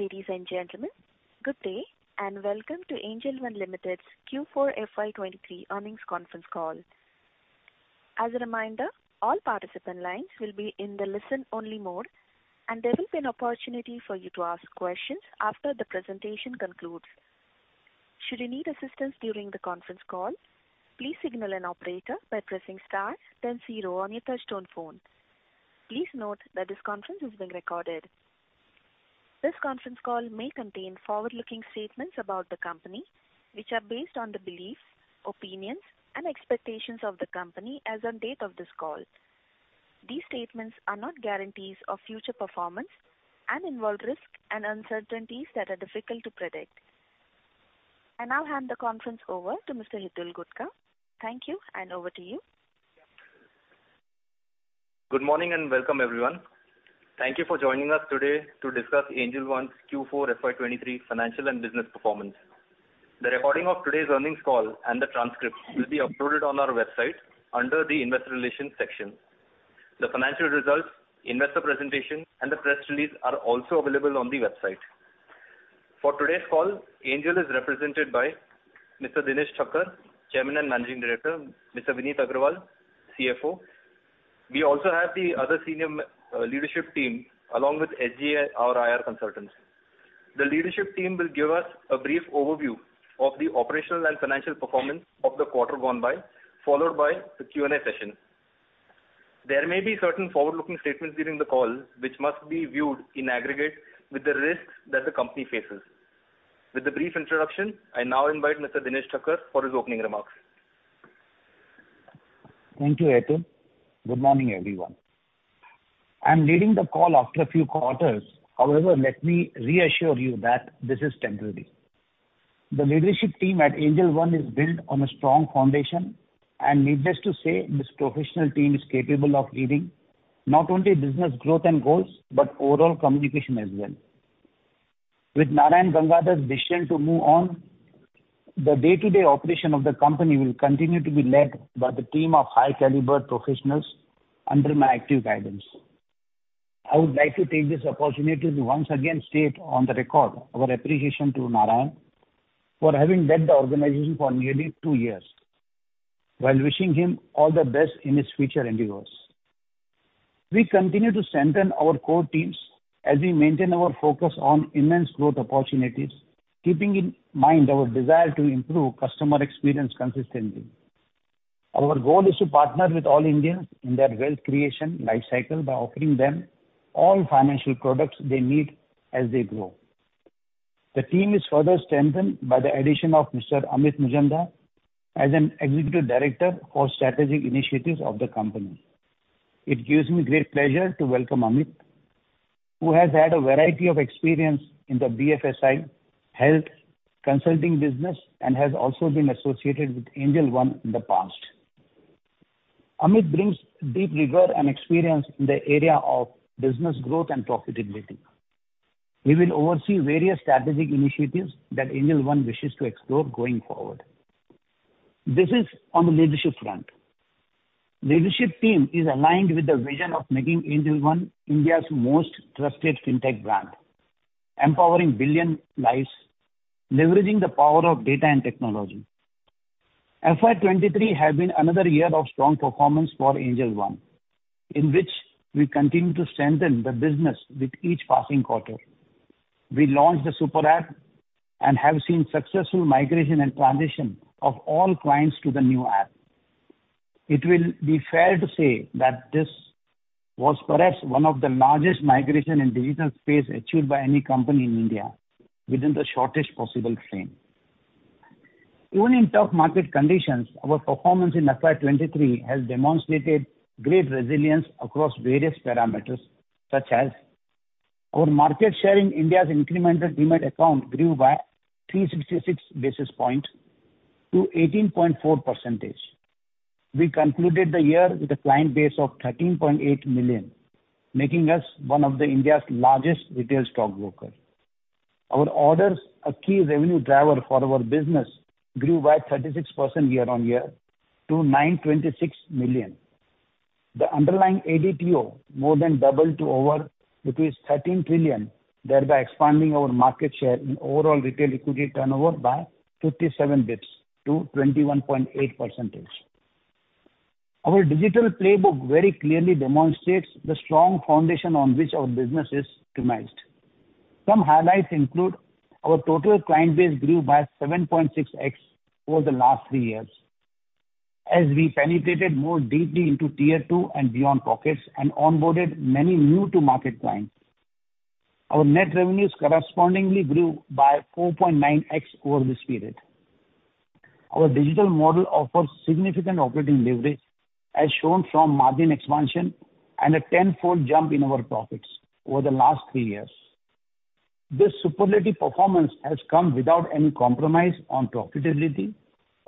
Ladies and gentlemen, good day, and welcome to Angel One Limited's Q4 FY 2023 earnings conference call. As a reminder, all participant lines will be in the listen-only mode, and there will be an opportunity for you to ask questions after the presentation concludes. Should you need assistance during the conference call, please signal an operator by pressing star then zero on your touch-tone phone. Please note that this conference is being recorded. This conference call may contain forward-looking statements about the company, which are based on the beliefs, opinions, and expectations of the company as on date of this call. These statements are not guarantees of future performance and involve risks and uncertainties that are difficult to predict. I now hand the conference over to Mr. Hitul Gutka. Thank you, and over to you. Good morning, and welcome, everyone. Thank you for joining us today to discuss Angel One's Q4 FY 2023 financial and business performance. The recording of today's earnings call and the transcript will be uploaded on our website under the Investor Relations section. The financial results, investor presentation, and the press release are also available on the website. For today's call, Angel is represented by Mr. Dinesh Thakkar, Chairman and Managing Director; Mr. Vineet Agrawal, CFO. We also have the other senior leadership team, along with HJA, our IR consultants. The leadership team will give us a brief overview of the operational and financial performance of the quarter gone by, followed by the Q&A session. There may be certain forward-looking statements during the call, which must be viewed in aggregate with the risks that the company faces. With the brief introduction, I now invite Mr. Dinesh Thakkar for his opening remarks. Thank you, Hitul. Good morning, everyone. I'm leading the call after a few quarters. However, let me reassure you that this is temporary. The leadership team at Angel One is built on a strong foundation, and needless to say, this professional team is capable of leading not only business growth and goals, but overall communication as well. With Narayan Gangadhar's decision to move on, the day-to-day operation of the company will continue to be led by the team of high caliber professionals under my active guidance. I would like to take this opportunity to once again state on the record our appreciation to Narayan for having led the organization for nearly two years, while wishing him all the best in his future endeavors. We continue to strengthen our core teams as we maintain our focus on immense growth opportunities, keeping in mind our desire to improve customer experience consistently. Our goal is to partner with all Indians in their wealth creation lifecycle by offering them all financial products they need as they grow. The team is further strengthened by the addition of Mr. Amit Majumdar as an Executive Director for strategic initiatives of the company. It gives me great pleasure to welcome Amit, who has had a variety of experience in the BFSI, health, consulting business, and has also been associated with Angel One in the past. Amit brings deep rigor and experience in the area of business growth and profitability. He will oversee various strategic initiatives that Angel One wishes to explore going forward. This is on the leadership front. Leadership team is aligned with the vision of making Angel One India's most trusted fintech brand, empowering billion lives, leveraging the power of data and technology. FY 2023 has been another year of strong performance for Angel One, in which we continue to strengthen the business with each passing quarter. We launched the Super App and have seen successful migration and transition of all clients to the new app. It will be fair to say that this was perhaps one of the largest migration in digital space achieved by any company in India within the shortest possible frame. Even in tough market conditions, our performance in FY 2023 has demonstrated great resilience across various parameters, such as our market share in India's incremental demat account grew by 366 basis point to 18.4%. We concluded the year with a client base of 13.8 million, making us one of the India's largest retail stockbroker. Our orders, a key revenue driver for our business, grew by 36% year-on-year to 926 million. The underlying ADTO more than doubled to over 13 trillion, thereby expanding our market share in overall retail liquidity turnover by 57 basis points to 21.8%. Our digital playbook very clearly demonstrates the strong foundation on which our business is optimized. Some highlights include our total client base grew by 7.6x over the last three years as we penetrated more deeply into Tier 2 and beyond pockets and onboarded many new to market clients. Our net revenues correspondingly grew by 4.9x over this period. Our digital model offers significant operating leverage as shown from margin expansion and a tenfold jump in our profits over the last three years. This superlative performance has come without any compromise on profitability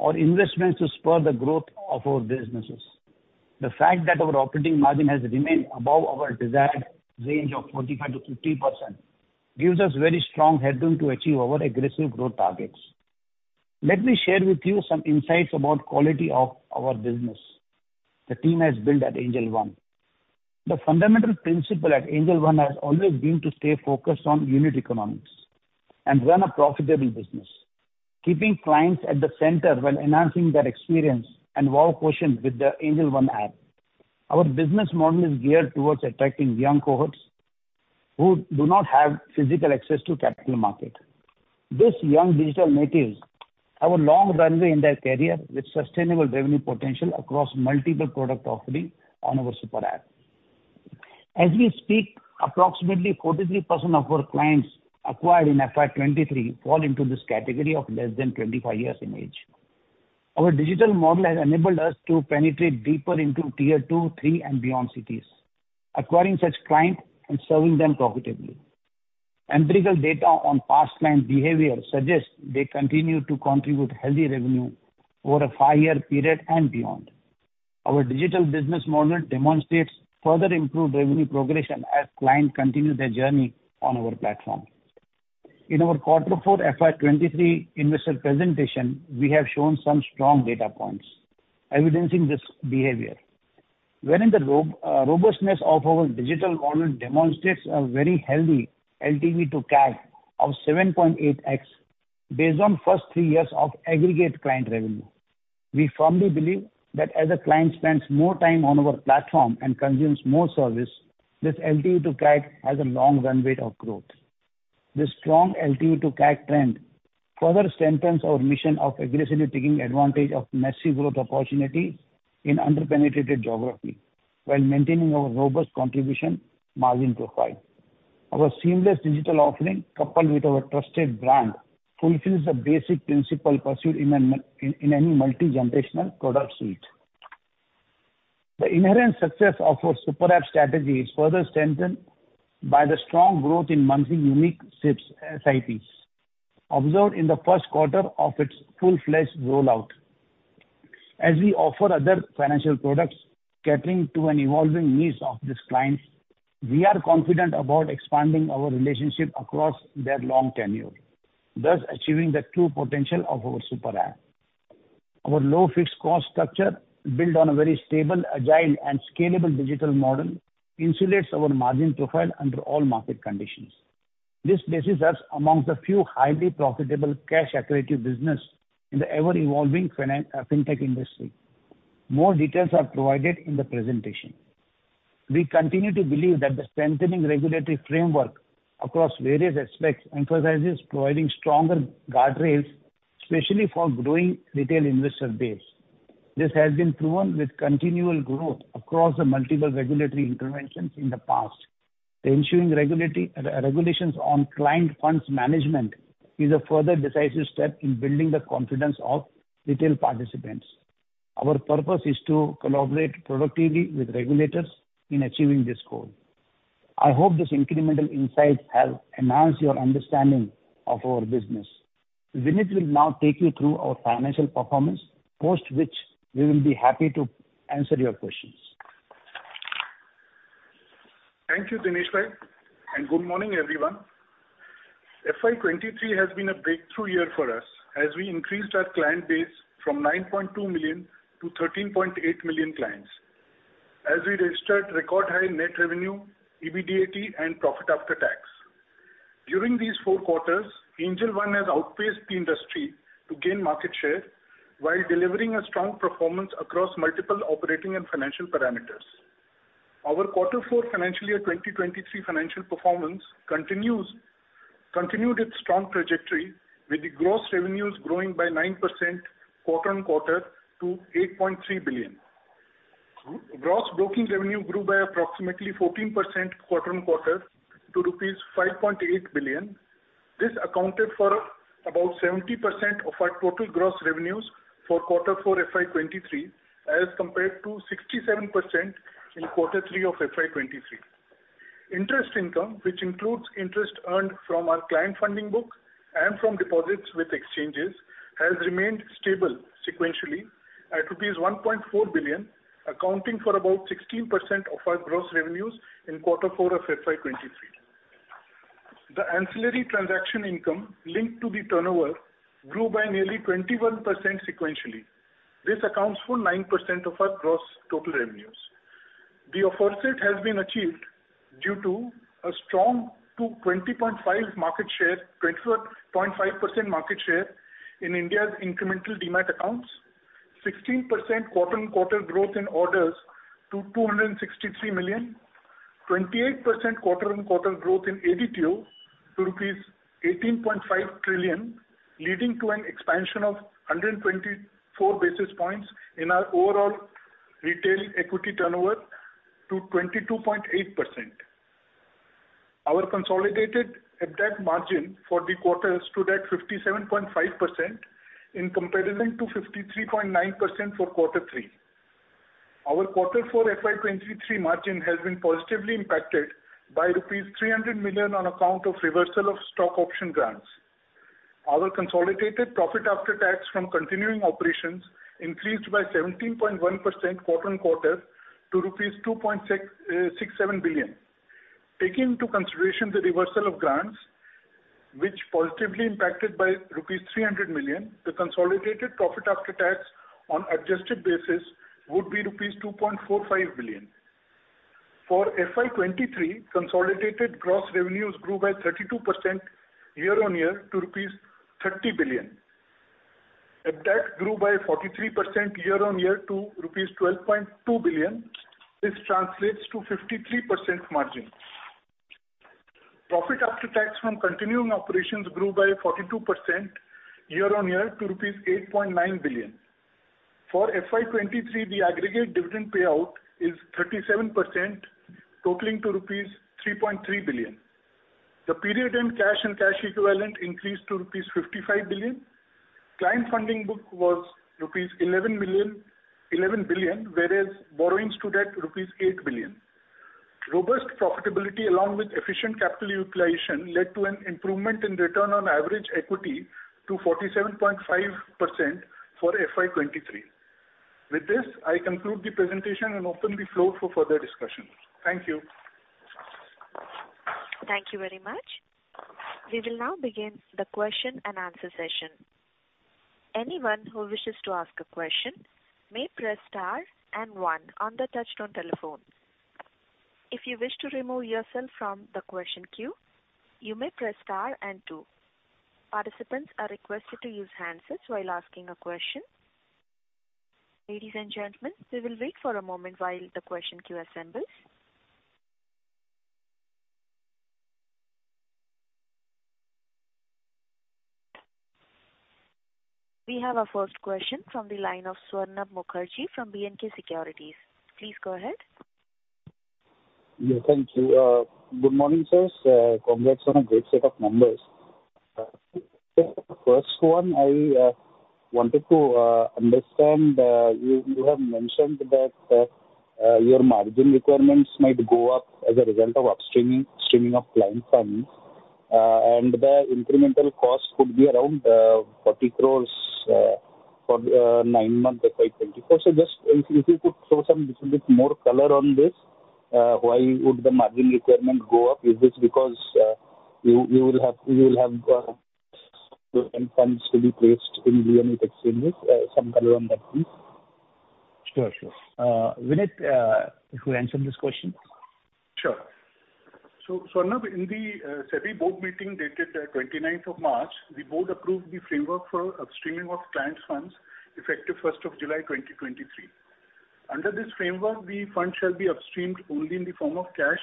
or investments to spur the growth of our businesses. The fact that our operating margin has remained above our desired range of 45%-50% gives us very strong headroom to achieve our aggressive growth targets. Let me share with you some insights about quality of our business the team has built at Angel One. The fundamental principle at Angel One has always been to stay focused on unit economics and run a profitable business, keeping clients at the center while enhancing their experience and wow quotient with the Angel One app. Our business model is geared towards attracting young cohorts who do not have physical access to capital market. These young digital natives have a long runway in their career with sustainable revenue potential across multiple product offering on our Super App. As we speak, approximately 43% of our clients acquired in FY 2023 fall into this category of less than 25 years in age. Our digital model has enabled us to penetrate deeper into Tier 2, 3 and beyond cities, acquiring such clients and serving them profitably. Empirical data on past client behavior suggests they continue to contribute healthy revenue over a five year period and beyond. Our digital business model demonstrates further improved revenue progression as clients continue their journey on our platform. In our Q4 FY 2023 investor presentation, we have shown some strong data points evidencing this behavior. Wherein the robustness of our digital model demonstrates a very healthy LTV to CAC of 7.8x based on first three years of aggregate client revenue. We firmly believe that as a client spends more time on our platform and consumes more service, this LTV to CAC has a long runway of growth. This strong LTV to CAC trend further strengthens our mission of aggressively taking advantage of massive growth opportunities in under-penetrated geography while maintaining our robust contribution margin profile. Our seamless digital offering, coupled with our trusted brand, fulfills the basic principle pursued in any multi-generational product suite. The inherent success of our Super App strategy is further strengthened by the strong growth in monthly unique SIPs observed in the first quarter of its full-fledged rollout. As we offer other financial products catering to an evolving needs of these clients, we are confident about expanding our relationship across their long tenure, thus achieving the true potential of our Super App. Our low fixed cost structure built on a very stable, agile and scalable digital model insulates our margin profile under all market conditions. This places us amongst the few highly profitable cash accretive business in the ever-evolving fintech industry. More details are provided in the presentation. We continue to believe that the strengthening regulatory framework across various aspects emphasizes providing stronger guardrails, especially for growing retail investor base. This has been proven with continual growth across the multiple regulatory interventions in the past. The ensuing re-regulations on client funds management is a further decisive step in building the confidence of retail participants. Our purpose is to collaborate productively with regulators in achieving this goal. I hope this incremental insight helps enhance your understanding of our business. Vineet will now take you through our financial performance, post which we will be happy to answer your questions. Thank you, Dinesh bhai. Good morning, everyone. FY 2023 has been a breakthrough year for us as we increased our client base from 9.2 million to 13.8 million clients. We registered record high net revenue, EBITDA and profit after tax. During these four quarters, Angel One has outpaced the industry to gain market share while delivering a strong performance across multiple operating and financial parameters. Our quarter four FY 2023 financial performance continued its strong trajectory, with the gross revenues growing by 9% quarter-on-quarter to 8.3 billion. Gross broking revenue grew by approximately 14% quarter-on-quarter to rupees 5.8 billion. This accounted for about 70% of our total gross revenues for quarter four FY 2023 as compared to 67% in quarter three of FY 2023. Interest income, which includes interest earned from our client funding book and from deposits with exchanges, has remained stable sequentially at 1.4 billion, accounting for about 16% of our gross revenues in quarter four of FY 2023. The ancillary transaction income linked to the turnover grew by nearly 21% sequentially. This accounts for 9% of our gross total revenues. The offset has been achieved due to a strong to 20.5% market share, 24.5% market share in India's incremental demat accounts, 16% quarter-on-quarter growth in orders to 263 million, 28% quarter-on-quarter growth in ADTO to rupees 18.5 trillion, leading to an expansion of 124 basis points in our overall retail equity turnover to 22.8%. Our consolidated EBDAT margin for the quarter stood at 57.5% in comparison to 53.9% for quarter three. Our quarter four FY 2023 margin has been positively impacted by 300 million rupees on account of reversal of stock option grants. Our consolidated profit after tax from continuing operations increased by 17.1% quarter-on-quarter to rupees 2.67 billion. Taking into consideration the reversal of grants, which positively impacted by rupees 300 million, the consolidated profit after tax on adjusted basis would be rupees 2.45 billion. For FY 2023, consolidated gross revenues grew by 32% year-on-year to rupees 30 billion. EBITDA grew by 43% year-on-year to rupees 12.2 billion. This translates to 53% margin. Profit after tax from continuing operations grew by 42% year-on-year to rupees 8.9 billion. For FY 2023, the aggregate dividend payout is 37% totaling to rupees 3.3 billion. The period in cash and cash equivalent increased to rupees 55 billion. Client funding book was 11 billion, whereas borrowings stood at rupees 8 billion. Robust profitability along with efficient capital utilization led to an improvement in return on average equity to 47.5% for FY 2023. With this, I conclude the presentation and open the floor for further discussion. Thank you. Thank you very much. We will now begin the question and answer session. Anyone who wishes to ask a question may press star one on the touchtone telephone. If you wish to remove yourself from the question queue, you may press star two. Participants are requested to use handsets while asking a question. Ladies and gentlemen, we will wait for a moment while the question queue assembles. We have our first question from the line of Swarnabha Mukherjee from B&K Securities. Please go ahead. Yeah, thank you. Good morning, sirs. Congrats on a great set of numbers. First one I wanted to understand, you have mentioned that your margin requirements might go up as a result of upstreaming, streaming of client funds, and the incremental cost could be around 40 crores for nine month FY 2024. Just if you could throw some little bit more color on this, why would the margin requirement go up? Is this because you will have funds to be placed in exchanges. Some color on that, please. Sure. Sure. Vineet, if you answer this question. Sure. Swarnabha, in the SEBI board meeting dated 29th of March, the board approved the framework for upstreaming of client funds effective 1st of July 2023. Under this framework, the fund shall be upstreamed only in the form of cash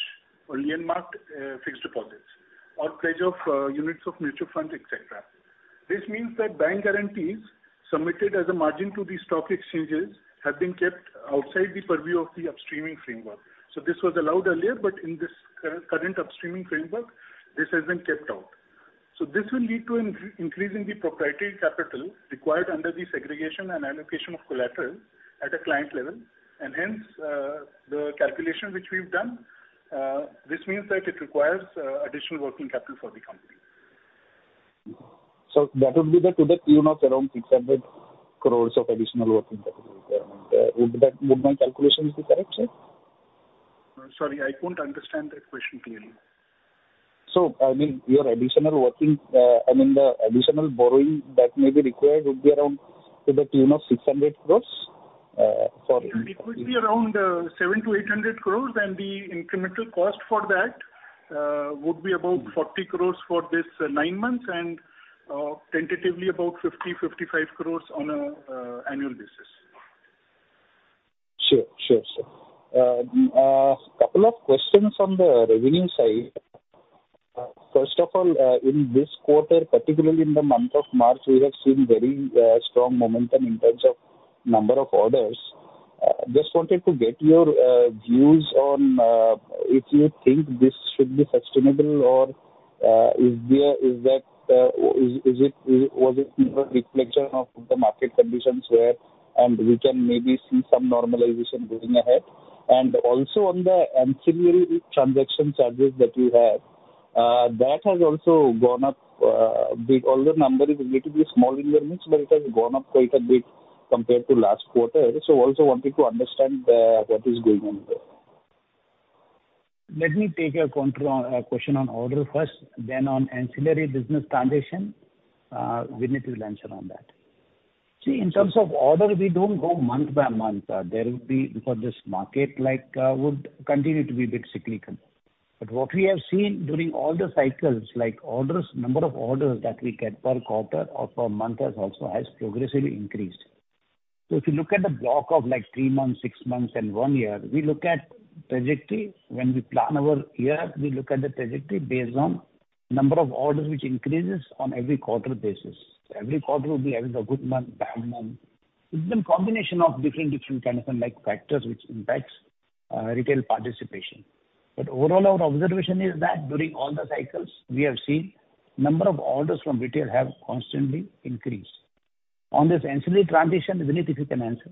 or earmarked fixed deposits or pledge of units of mutual funds, et cetera. This means that bank guarantees submitted as a margin to the stock exchanges have been kept outside the purview of the upstreaming framework. This was allowed earlier, but in this current upstreaming framework, this has been kept out. This will lead to increasing the proprietary capital required under the segregation and allocation of collateral at a client level. Hence, the calculation which we've done, this means that it requires additional working capital for the company. That would be the, to the tune of around 600 crores of additional working capital requirement. Would my calculation be correct, sir? Sorry, I couldn't understand that question clearly. Your additional working, the additional borrowing that may be required would be around to the tune of 600 crores. It could be around 700-800 crores, and the incremental cost for that would be about 40 crores for this nine months and tentatively about 50-55 crores on a annual basis. Sure. Sure, sir. Couple of questions on the revenue side. First of all, in this quarter, particularly in the month of March, we have seen very strong momentum in terms of number of orders. Just wanted to get your views on if you think this should be sustainable or was it more a reflection of the market conditions where we can maybe see some normalization going ahead? On the ancillary transaction charges that you have, that has also gone up a bit, although number is relatively small in your mix, but it has gone up quite a bit compared to last quarter. Also wanted to understand what is going on there. Let me take your contra question on order first then on ancillary business transaction, Vineet will answer on that. In terms of order, we don't go month by month. There will be, because this market like would continue to be a bit cyclical. What we have seen during all the cycles, like orders, number of orders that we get per quarter or per month has also progressively increased. If you look at the block of like three months, six months and one year, we look at trajectory. When we plan our year, we look at the trajectory based on number of orders which increases on every quarter basis. Every quarter will be either a good month, bad month. It's been combination of different kind of like factors which impacts retail participation. Overall our observation is that during all the cycles, we have seen number of orders from retail have constantly increased. On this ancillary transaction, Vineet, if you can answer.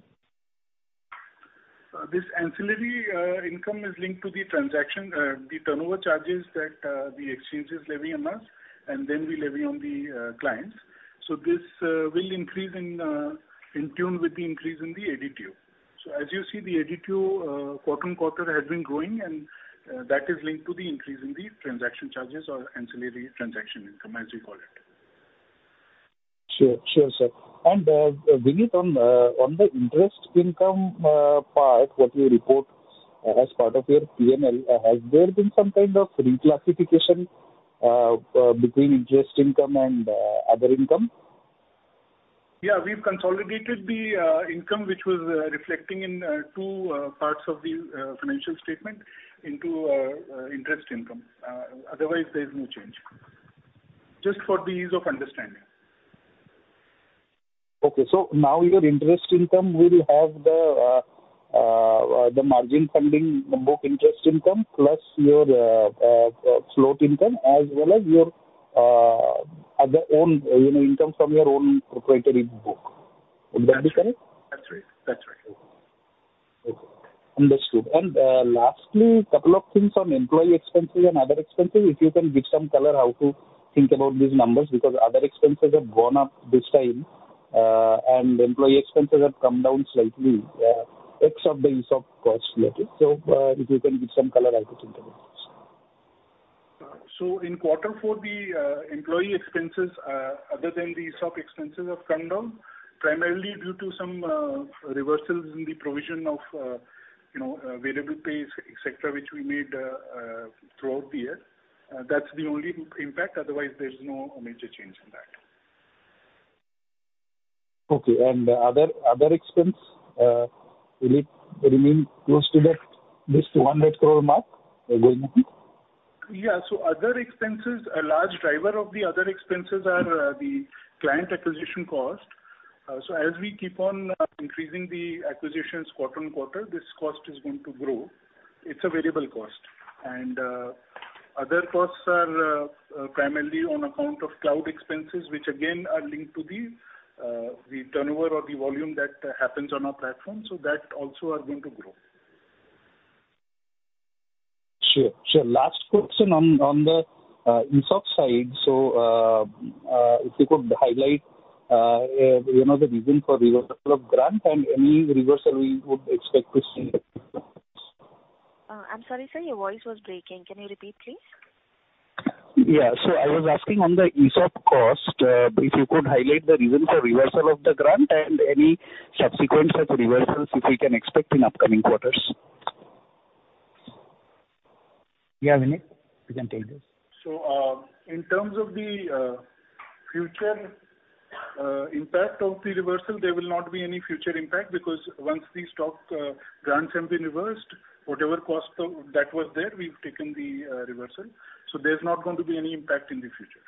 This ancillary income is linked to the transaction, the turnover charges that the exchanges levy on us and then we levy on the clients. This will increase in tune with the increase in the ADTO. As you see the ADTO, quarter-on-quarter has been growing and that is linked to the increase in the transaction charges or ancillary transaction income, as you call it. Sure. Sure, sir. Vineet, on the interest income, part, what you report as part of your P&L, has there been some kind of reclassification, between interest income and, other income? We've consolidated the income which was reflecting in two parts of the financial statement into interest income. Otherwise there's no change. Just for the ease of understanding. Now your interest income will have the margin funding book interest income plus your float income as well as your other own, you know, income from your own proprietary book. Would that be correct? That's right. That's right. Okay. Understood. Lastly, couple of things on employee expenses and other expenses, if you can give some color how to think about these numbers, because other expenses have gone up this time, and employee expenses have come down slightly, X of the ESOP costs related. If you can give some color how to think about this. In quarter four the employee expenses, other than the ESOP expenses have come down primarily due to some reversals in the provision of, you know, variable pays, et cetera, which we made throughout the year. That's the only impact, otherwise there's no major change in that. Okay. Other expense, will it remain close to that, this 100 crore mark going forward? Yeah. Other expenses, a large driver of the other expenses are the client acquisition cost. As we keep on increasing the acquisitions quarter on quarter, this cost is going to grow. It's a variable cost. Other costs are primarily on account of cloud expenses, which again are linked to the turnover or the volume that happens on our platform. That also are going to grow. Sure. Last question on the ESOP side. If you could highlight, you know, the reason for reversal of grant and any reversal we would expect to see. I'm sorry, sir, your voice was breaking. Can you repeat, please? Yeah. I was asking on the ESOP cost, if you could highlight the reason for reversal of the grant and any subsequent such reversals if we can expect in upcoming quarters. Yeah, Vineet, you can take this. In terms of the future impact of the reversal, there will not be any future impact because once the stock grants have been reversed, whatever cost of that was there, we've taken the reversal. There's not going to be any impact in the future.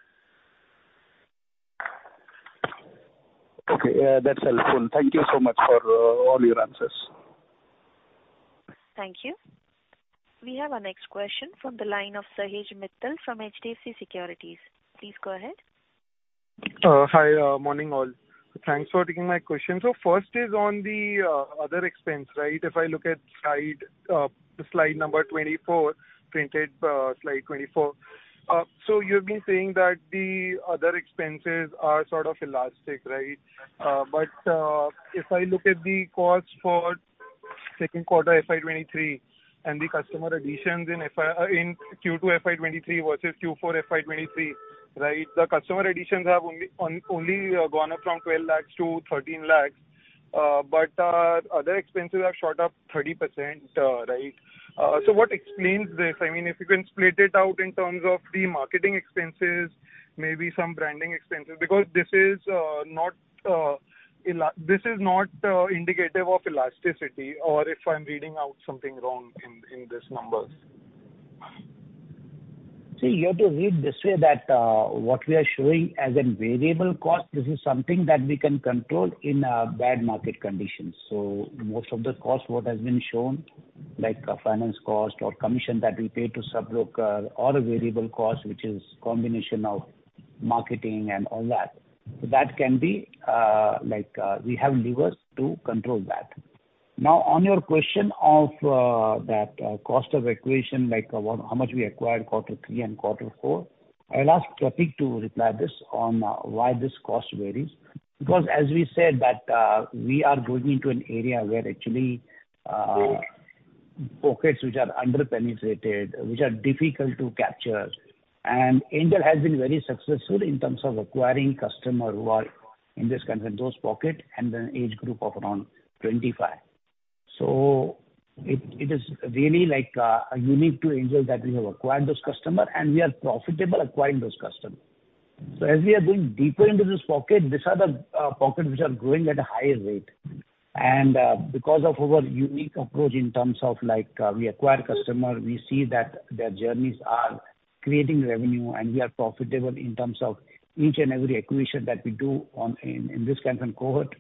Okay. That's helpful. Thank you so much for all your answers. Thank you. We have our next question from the line of Sahej Mittal from HDFC Securities. Please go ahead. Hi. Morning all. Thanks for taking my question. First is on the other expense, right? If I look at slide number 24, printed, slide 24. You've been saying that the other expenses are sort of elastic, right? But if I look at the cost for 2Q FY 2023 and the customer additions in Q2 FY 2023 versus Q4 FY 2023, right? The customer additions have only gone up from 12 lakhs to 13 lakhs. But other expenses have shot up 30%, right? What explains this? I mean, if you can split it out in terms of the marketing expenses, maybe some branding expenses. Because this is not indicative of elasticity or if I'm reading out something wrong in these numbers. See, you have to read this way that what we are showing as an variable cost, this is something that we can control in bad market conditions. Most of the cost, what has been shown, like a finance cost or commission that we pay to sub-broker or a variable cost, which is combination of marketing and all that. That can be like we have levers to control that. Now, on your question of that cost of acquisition, like how much we acquired quarter three and quarter four, I'll ask Prateek to reply this on why this cost varies. Because as we said that we are going into an area where actually pockets which are under-penetrated, which are difficult to capture. Angel has been very successful in terms of acquiring customer who are in this kind of those pocket and an age group of around 25. It is really like a unique to Angel that we have acquired those customer and we are profitable acquiring those customer. As we are going deeper into this pocket, these are the pocket which are growing at a higher rate. Because of our unique approach in terms of like we acquire customer, we see that their journeys are creating revenue and we are profitable in terms of each and every acquisition that we do on in this kind of cohort.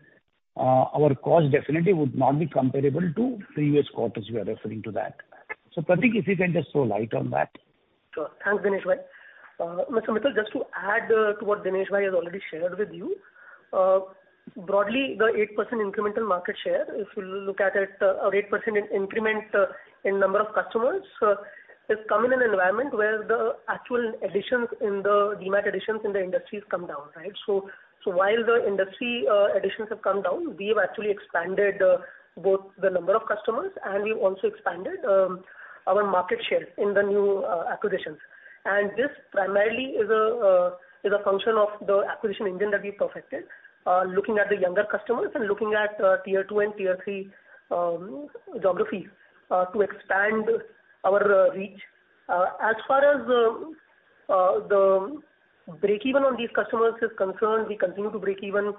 Our cost definitely would not be comparable to previous quarters we are referring to that. Prateek, if you can just throw light on that. Sure. Thanks, Dinesh bhai. Mr. Mittal, just to add to what Dinesh bhai has already shared with you. Broadly, the 8% incremental market share, if you look at it, our 8% in increment in number of customers has come in an environment where the actual additions in the, demat additions in the industry has come down, right? While the industry additions have come down, we have actually expanded both the number of customers and we've also expanded our market share in the new acquisitions. This primarily is a function of the acquisition engine that we perfected, looking at the younger customers and looking at Tier 2 and Tier 3 geographies to expand our reach. As far as the breakeven on these customers is concerned, we continue to break even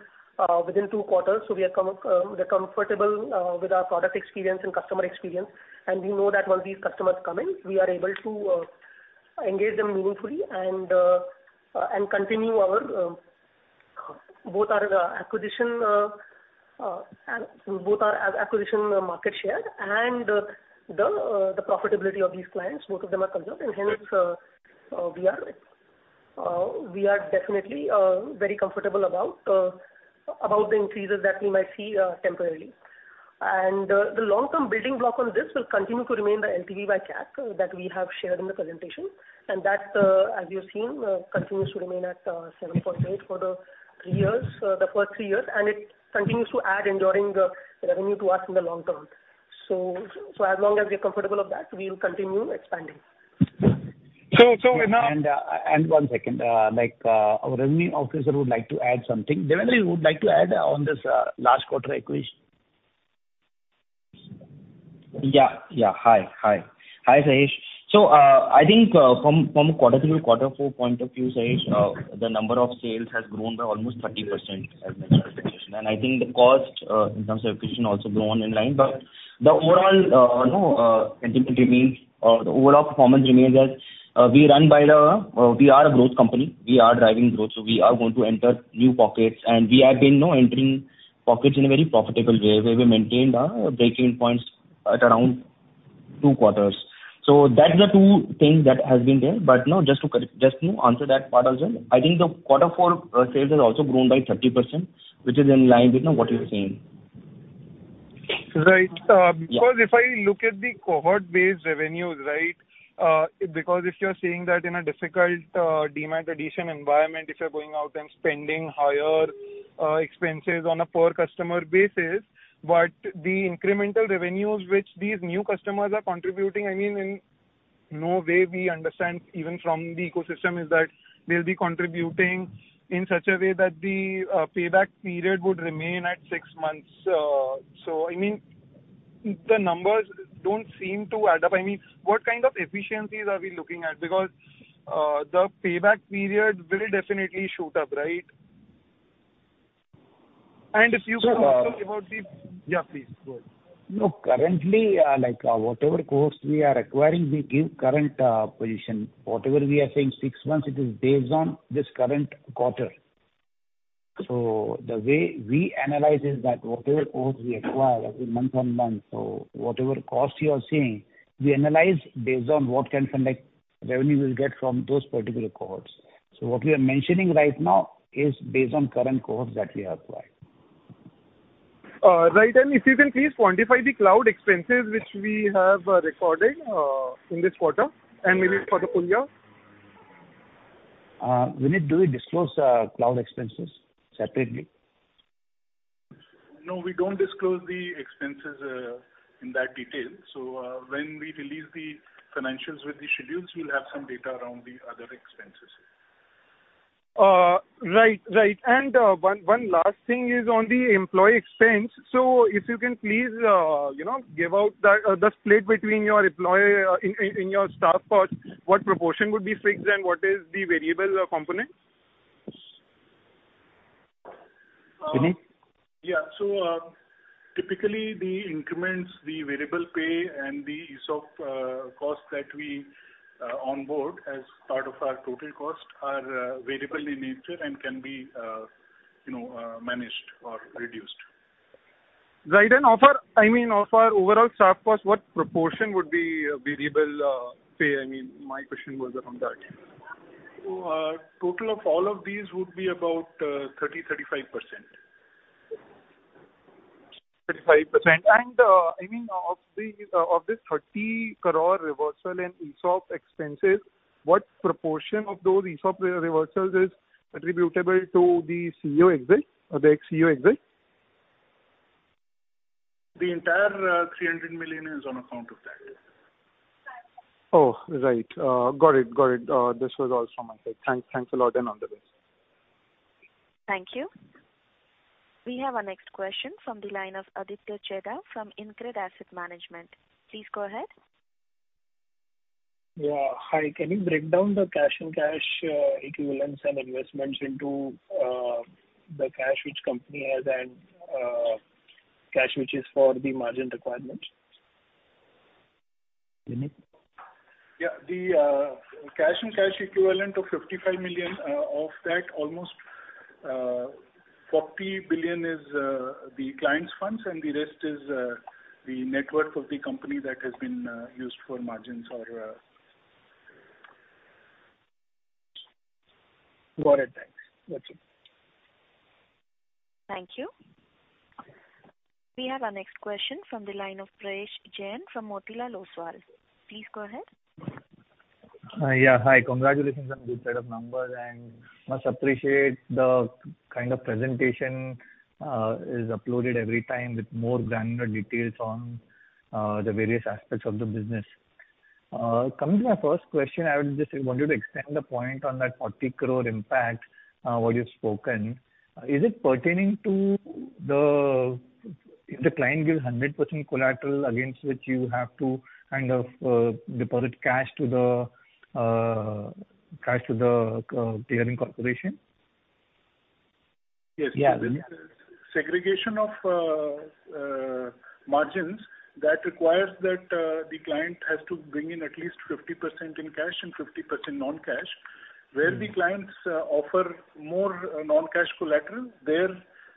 within two quarters, so we are comfortable with our product experience and customer experience. We know that once these customers come in, we are able to engage them meaningfully and continue our both our acquisition market share and the profitability of these clients, both of them are conserved and hence we are definitely very comfortable about the increases that we might see temporarily. The long-term building block on this will continue to remain the LTV by CAC that we have shared in the presentation. As you've seen, continues to remain at seven point eight for the three years, the first three years, and it continues to add enduring revenue to us in the long term. As long as we're comfortable of that, we'll continue expanding. So, so now- One second. Like, our revenue officer would like to add something. Devendra, you would like to add on this last quarter acquisition? Yeah. Yeah. Hi. Hi. Hi, Sahej. I think, from a quarter three to quarter four point of view, Sahej, the number of sales has grown by almost 30% as mentioned in the presentation. I think the cost, in terms of acquisition, also grown in line. The overall, you know, incremental remains or the overall performance remains as we run by the, we are a growth company. We are driving growth, we are going to enter new pockets. We have been, you know, entering pockets in a very profitable way, where we maintained our break-even points at around two quarters. That's the two things that has been there. Just to answer that part as well, I think the quarter four sales has also grown by 30%, which is in line with, you know, what you're saying. Right. Yeah. If I look at the cohort-based revenues, right, because if you're saying that in a difficult, DMAT addition environment, if you're going out and spending higher, expenses on a per customer basis, but the incremental revenues which these new customers are contributing, I mean, in no way we understand even from the ecosystem is that they'll be contributing in such a way that the payback period would remain at six months. I mean, the numbers don't seem to add up. I mean, what kind of efficiencies are we looking at? The payback period will definitely shoot up, right? If you can also give out the- So, uh- Yeah, please. Go ahead. Currently, like, whatever costs we are acquiring, we give current position. Whatever we are saying six months, it is based on this current quarter. The way we analyze is that whatever costs we acquire every month on month, so whatever cost you are seeing, we analyze based on what kind of like revenue we'll get from those particular cohorts. What we are mentioning right now is based on current cohorts that we acquired. Right. If you can please quantify the cloud expenses which we have recorded in this quarter and maybe for the full year. Amit, do we disclose cloud expenses separately? No, we don't disclose the expenses, in that detail. When we release the financials with the schedules, you'll have some data around the other expenses. Right. Right. One last thing is on the employee expense. If you can please, you know, give out the split between your employee in your staff cost, what proportion would be fixed and what is the variable component? Amit? Typically the increments, the variable pay and the ESOP costs that we onboard as part of our total cost are variable in nature and can be, you know, managed or reduced. Right. Of our, I mean, of our overall staff cost, what proportion would be variable pay? I mean, my question was around that. Total of all of these would be about 30%-35%. 35%. I mean, of this 30 crore reversal in ESOP expenses, what proportion of those ESOP re-reversals is attributable to the CEO exit or the ex-CEO exit? The entire 300 million is on account of that, yes. Oh, right. Got it. Got it. This was all from my side. Thanks. Thanks a lot. All the best. Thank you. We have our next question from the line of Aditya Chheda from InCred Asset Management. Please go ahead. Hi. Can you break down the cash and cash equivalents and investments into the cash which company has and cash which is for the margin requirement? Amit? Yeah. The cash and cash equivalent of 55 million, of that almost 40 billion is the clients' funds, and the rest is the network of the company that has been used for margins. Got it. Thanks. That's it. Thank you. We have our next question from the line of Prayesh Jain from Motilal Oswal. Please go ahead. Yeah, hi. Congratulations on good set of numbers. Much appreciate the kind of presentation is uploaded every time with more granular details on the various aspects of the business. Coming to my first question, I would just want you to extend the point on that 40 crore impact, what you've spoken. Is it pertaining to the... If the client gives 100% collateral against which you have to kind of deposit cash to the clearing corporation? Yes. Yeah. Segregation of margins that requires that the client has to bring in at least 50% in cash and 50% non-cash. Where the clients offer more non-cash collateral, there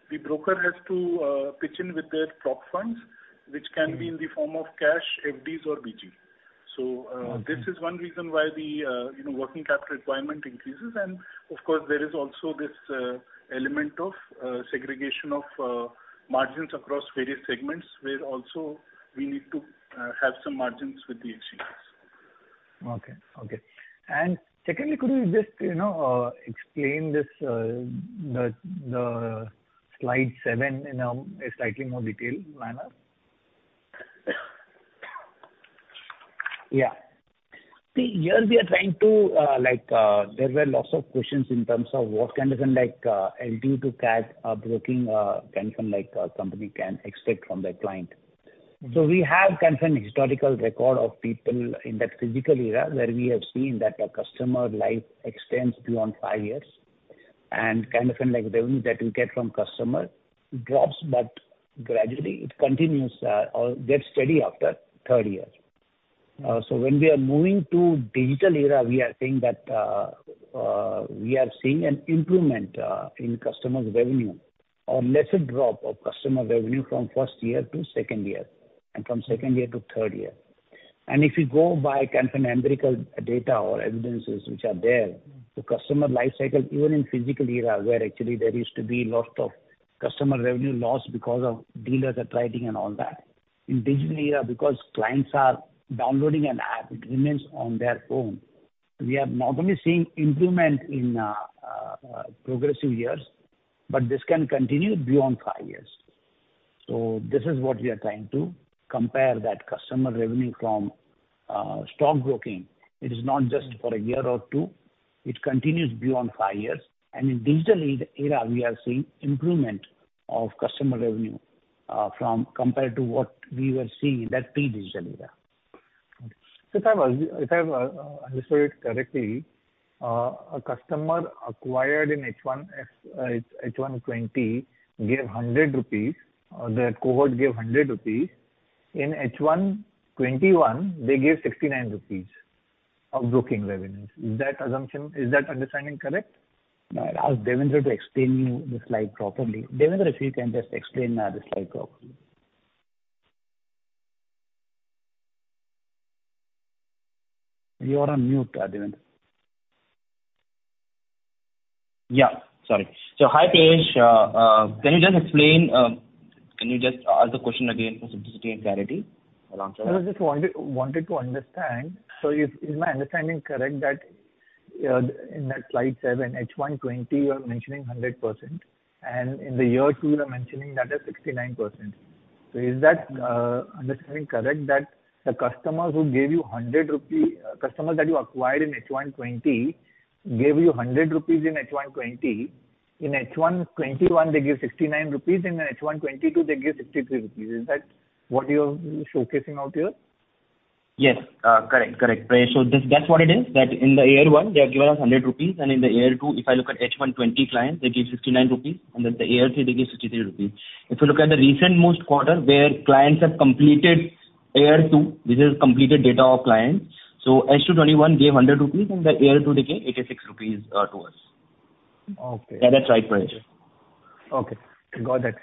the broker has to pitch in with their proc funds, which can be in the form of cash, FDs or BG. Mm-hmm. This is one reason why the, you know, working capital requirement increases. Of course, there is also this element of segregation of margins across various segments, where also we need to have some margins with the exchanges. Okay. Okay. Secondly, could you just, you know, explain this, the slide seven in a slightly more detailed manner? Yeah. See, here we are trying to like, there were lots of questions in terms of what kind of like LTV to CAC, broking, kind of like company can expect from their client. We have kind of an historical record of people in that physical era, where we have seen that a customer life extends beyond five years. Kind of like revenue that we get from customer drops, but gradually it continues or gets steady after 3rd year. When we are moving to digital era, we are seeing that, we are seeing an improvement in customer's revenue or lesser drop of customer revenue from 1st year to 2nd year and from 2nd year to 3rd year. If you go by kind of empirical data or evidences which are there, the customer life cycle even in physical era, where actually there used to be lot of customer revenue loss because of dealers attriting and all that. In digital era, because clients are downloading an app, it remains on their phone. We are not only seeing improvement in progressive years, but this can continue beyond five years. This is what we are trying to compare that customer revenue from stockbroking. It is not just for a year or two, it continues beyond five years. In digital era, we are seeing improvement of customer revenue from compared to what we were seeing in that pre-digital era. If I've understood it correctly, a customer acquired in H1 '20 gave 100 rupees, or their cohort gave 100 rupees. In H1 '21, they gave 69 rupees of broking revenues. Is that understanding correct? I'll ask Devendra to explain you the slide properly. Devendra, if you can just explain, the slide properly. You are on mute, Devendra. Yeah. Sorry. Hi, Prayesh, can you just explain, can you just ask the question again for simplicity and clarity around- I just wanted to understand. Is my understanding correct that in that slide seven, H1 2020, you are mentioning 100%, and in the year two you are mentioning that as 69%. Is that understanding correct that customers that you acquired in H1 2020 gave you 100 rupees in H1 2020. In H1 2021 they gave 69 rupees, and in H1 2022 they gave 63 rupees. Is that what you're showcasing out here? Yes. Correct, correct, Prayesh. That, that's what it is. That in the year one they have given us 100 rupees, and in the year two, if I look at H1 2020 clients, they gave 69 rupees, and in the year three they gave 63 rupees. If you look at the recent most quarter where clients have completed year two, this is completed data of clients. H2 2021 gave INR 100, and the year two they gave 86 rupees to us. Okay. Yeah, that's right, Prayesh. Okay. Got that.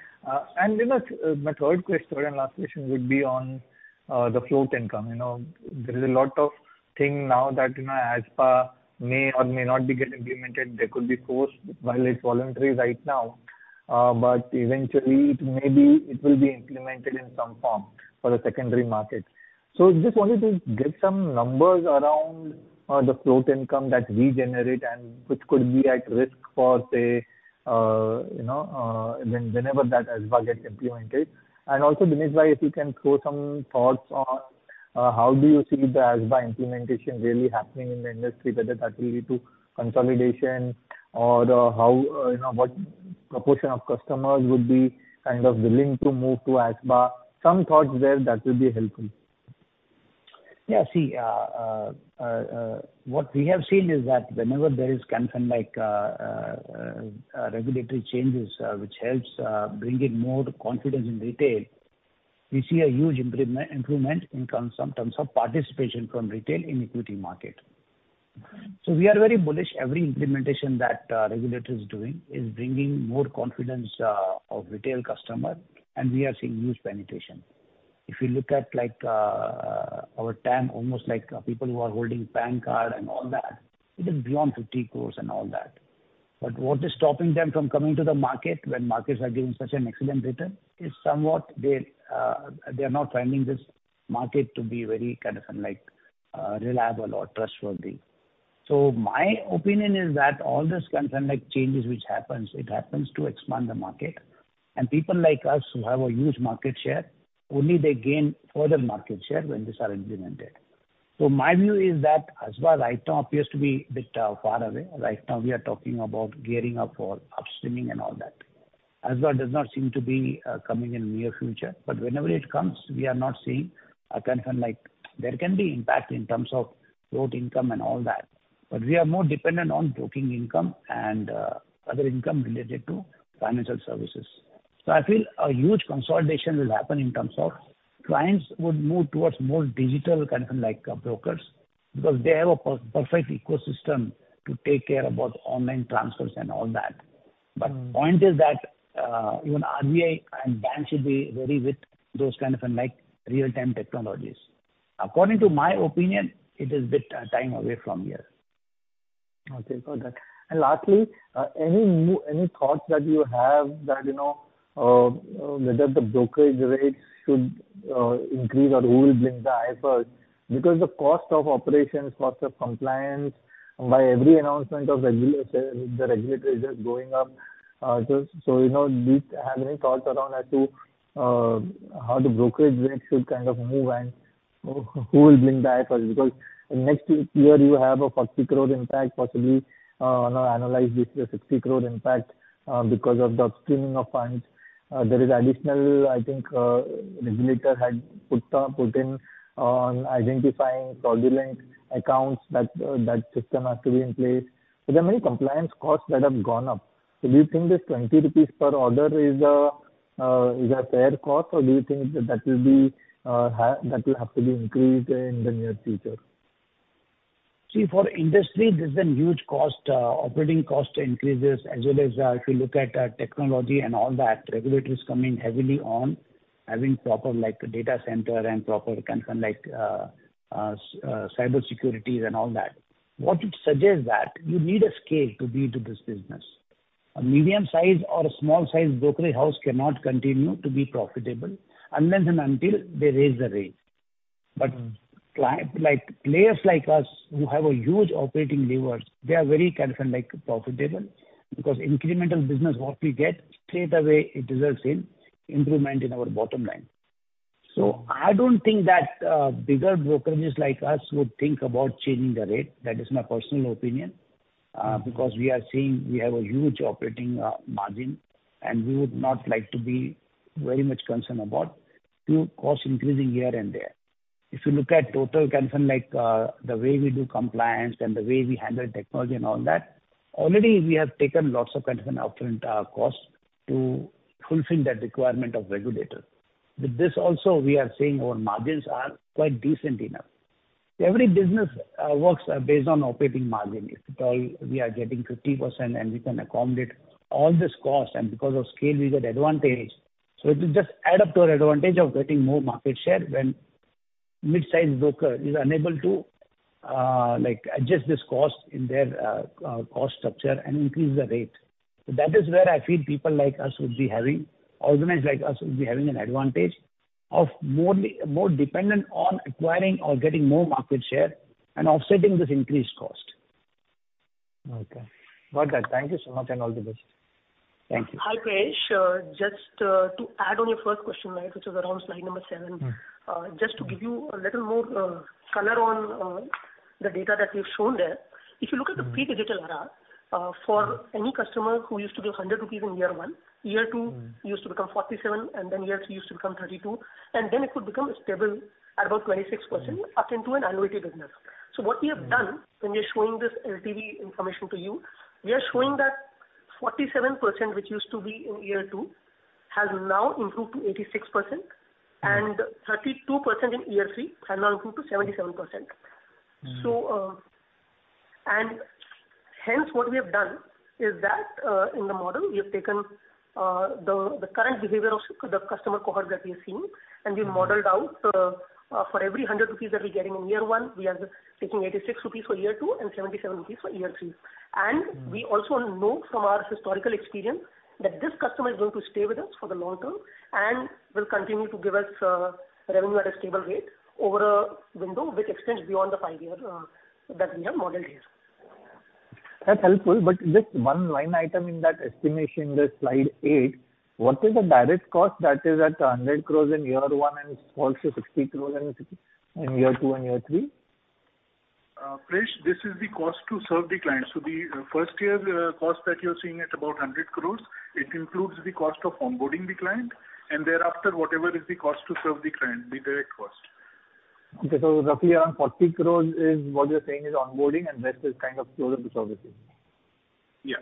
You know, my third and last question would be on the float income. You know, there is a lot of thing now that, you know, ASBA may or may not be get implemented. There could be forced, while it's voluntary right now, but eventually it will be implemented in some form for the secondary market. Just wanted to get some numbers around the float income that we generate and which could be at risk for, say, you know, whenever that ASBA gets implemented. Dinesh Bhai, if you can throw some thoughts on how do you see the ASBA implementation really happening in the industry, whether that will lead to consolidation or how, you know, what proportion of customers would be kind of willing to move to ASBA. Some thoughts there, that would be helpful. Yeah. See, what we have seen is that whenever there is kind of like regulatory changes, which helps bring in more confidence in retail, we see a huge improvement in terms of participation from retail in equity market. We are very bullish. Every implementation that regulator is doing is bringing more confidence of retail customer, and we are seeing huge penetration. If you look at like our TAM almost like people who are holding PAN card and all that, it is beyond 50 crores and all that. What is stopping them from coming to the market when markets are giving such an excellent return is somewhat they are not finding this market to be very kind of like reliable or trustworthy. My opinion is that all this kind of like changes which happens, it happens to expand the market. People like us who have a huge market share, only they gain further market share when these are implemented. My view is that as far as right now appears to be a bit far away. Right now, we are talking about gearing up for up streaming and all that. As well does not seem to be coming in near future, but whenever it comes, we are not seeing a concern like there can be impact in terms of growth income and all that. We are more dependent on broking income and other income related to financial services. I feel a huge consolidation will happen in terms of clients would move towards more digital kind of brokers because they have a perfect ecosystem to take care about online transfers and all that. Mm-hmm. Point is that, even RBI and banks should be very with those kind of like real-time technologies. According to my opinion, it is bit, time away from here. Okay. Got that. Lastly, any new thoughts that you have that, you know, whether the brokerage rates should increase or who will blink the eye first? Because the cost of operations, cost of compliance by every announcement of regulator, the regulatory is just going up. You know, do you have any thoughts around as to how the brokerage rate should kind of move and who will blink the eye first? Because next year you have a 40 crore impact, possibly, you know, analyze this is a 60 crore impact because of the upstreaming of funds. There is additional, I think, regulator had put in on identifying fraudulent accounts that system has to be in place. There are many compliance costs that have gone up. Do you think this 20 rupees per order is a fair cost, or do you think that will be high, that will have to be increased in the near future? See, for industry, there's been huge cost, operating cost increases as well as, if you look at, technology and all that, regulators coming heavily on having proper like data center and proper kind of like, cybersecurity and all that. What it suggests that you need a scale to be into this business. A medium size or a small size brokerage house cannot continue to be profitable unless and until they raise the rate. Mm-hmm. like, players like us who have a huge operating levers, they are very kind of like profitable because incremental business, what we get, straight away it results in improvement in our bottom line. I don't think that bigger brokerages like us would think about changing the rate. That is my personal opinion because we are seeing we have a huge operating margin, and we would not like to be very much concerned about few costs increasing here and there. If you look at total kind of like the way we do compliance and the way we handle technology and all that, already we have taken lots of kind of an upfront costs to fulfill that requirement of regulator. With this also, we are seeing our margins are quite decent enough. Every business works based on operating margin. If it all, we are getting 50% and we can accommodate all this cost and because of scale we get advantage. It will just add up to our advantage of getting more market share when midsize broker is unable to like adjust this cost in their cost structure and increase the rate. That is where I feel people like us would be having, organized like us would be having an advantage of morely, more dependent on acquiring or getting more market share and offsetting this increased cost. Okay. Got that. Thank you so much, and all the best. Thank you. Hi, Prayesh. just to add on your first question, right, which was around slide number seven. Mm-hmm. Just to give you a little more color on the data that we've shown there. If you look at the pre-digital RR, for any customer who used to give 100 rupees in year one, year two used to become 47, and then year three used to become 32, and then it would become stable at about 26% up into an annuity business. What we have done when we're showing this LTV information to you, we are showing that 47%, which used to be in year two, has now improved to 86%. Mm-hmm. 32% in year three has now improved to 77%. Mm-hmm. Hence, what we have done is that in the model, we have taken the current behavior of the customer cohort that we are seeing, and we modeled out for every 100 rupees that we're getting in year one, we are taking 86 rupees for year two and 77 rupees for year three. Mm-hmm. We also know from our historical experience that this customer is going to stay with us for the long term and will continue to give us revenue at a stable rate over a window which extends beyond the 5-year that we have modeled here. That's helpful. Just one line item in that estimation, the slide eight. What is the direct cost that is at 100 crores in year one and also 60 crores in year two and year three? Prayesh, this is the cost to serve the client. The first year, cost that you're seeing at about 100 crores, it includes the cost of onboarding the client, and thereafter, whatever is the cost to serve the client, the direct cost. Okay. Roughly around 40 crores is what you're saying is onboarding and rest is kind of closer to services. Yes.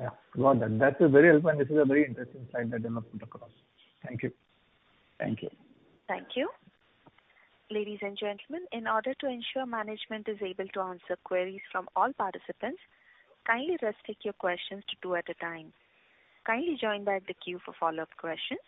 Yeah. Got that. That is very helpful. This is a very interesting slide that you have put across. Thank you. Thank you. Thank you. Ladies and gentlemen, in order to ensure management is able to answer queries from all participants, kindly restrict your questions to two at a time. Kindly join back the queue for follow-up questions.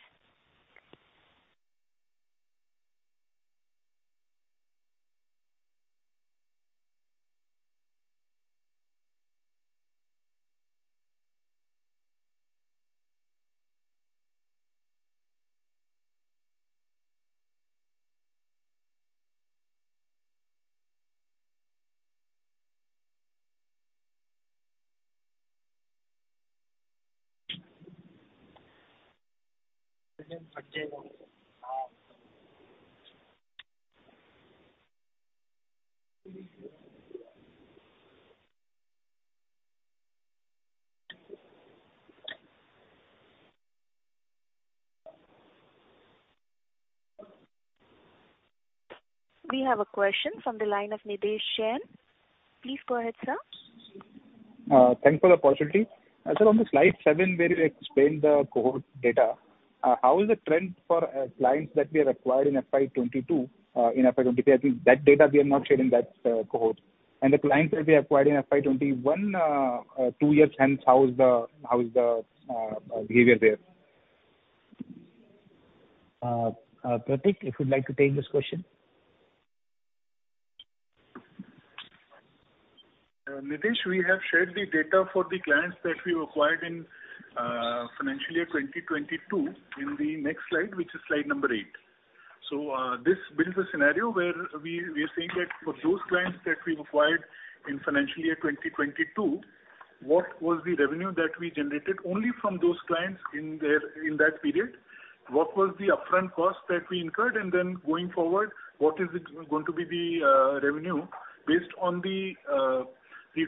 We have a question from the line of Nidhesh Jain. Please go ahead, sir. Thanks for the opportunity. Sir, on the slide seven where you explained the cohort data, how is the trend for clients that we have acquired in FY 2022, in FY 2023? I think that data we are not sharing that cohort. The clients that we acquired in FY 2021, two years hence, how is the behavior there? Prateek, if you'd like to take this question. Nidhesh, we have shared the data for the clients that we acquired in financial year 2022 in the next slide, which is slide number eight. This builds a scenario where we are saying that for those clients that we've acquired in financial year 2022, what was the revenue that we generated only from those clients in that period? What was the upfront cost that we incurred? Then going forward, what is it going to be the revenue based on the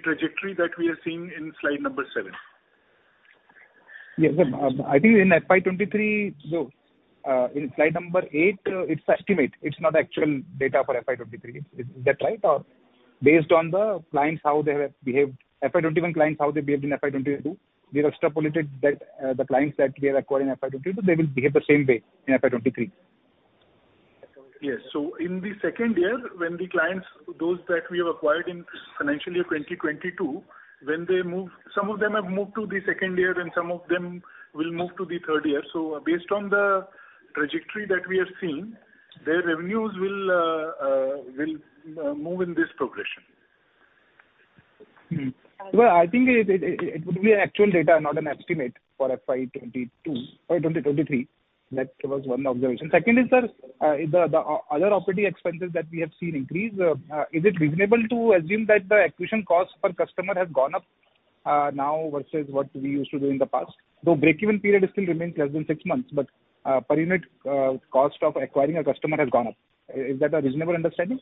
trajectory that we are seeing in slide number seven? Yes, sir. I think in FY 2023, though, in slide number eight, it's estimate. It's not actual data for FY 2023. Is that right? Or based on the clients, how they have behaved, FY 2021 clients, how they behaved in FY 2022, we have extrapolated that, the clients that we acquired in FY 2022, they will behave the same way in FY 2023? Yes. In the second year, when the clients, those that we have acquired in financial year 2022, when they move, some of them have moved to the second year, and some of them will move to the third year. Based on the trajectory that we have seen, their revenues will move in this progression. Well, I think it would be actual data, not an estimate for FY 2022 or 2023. That was one observation. Second is, sir, the other operating expenses that we have seen increase, is it reasonable to assume that the acquisition cost per customer has gone up, now versus what we used to do in the past? Though break-even period still remains less than six months, but, per unit, cost of acquiring a customer has gone up. Is that a reasonable understanding?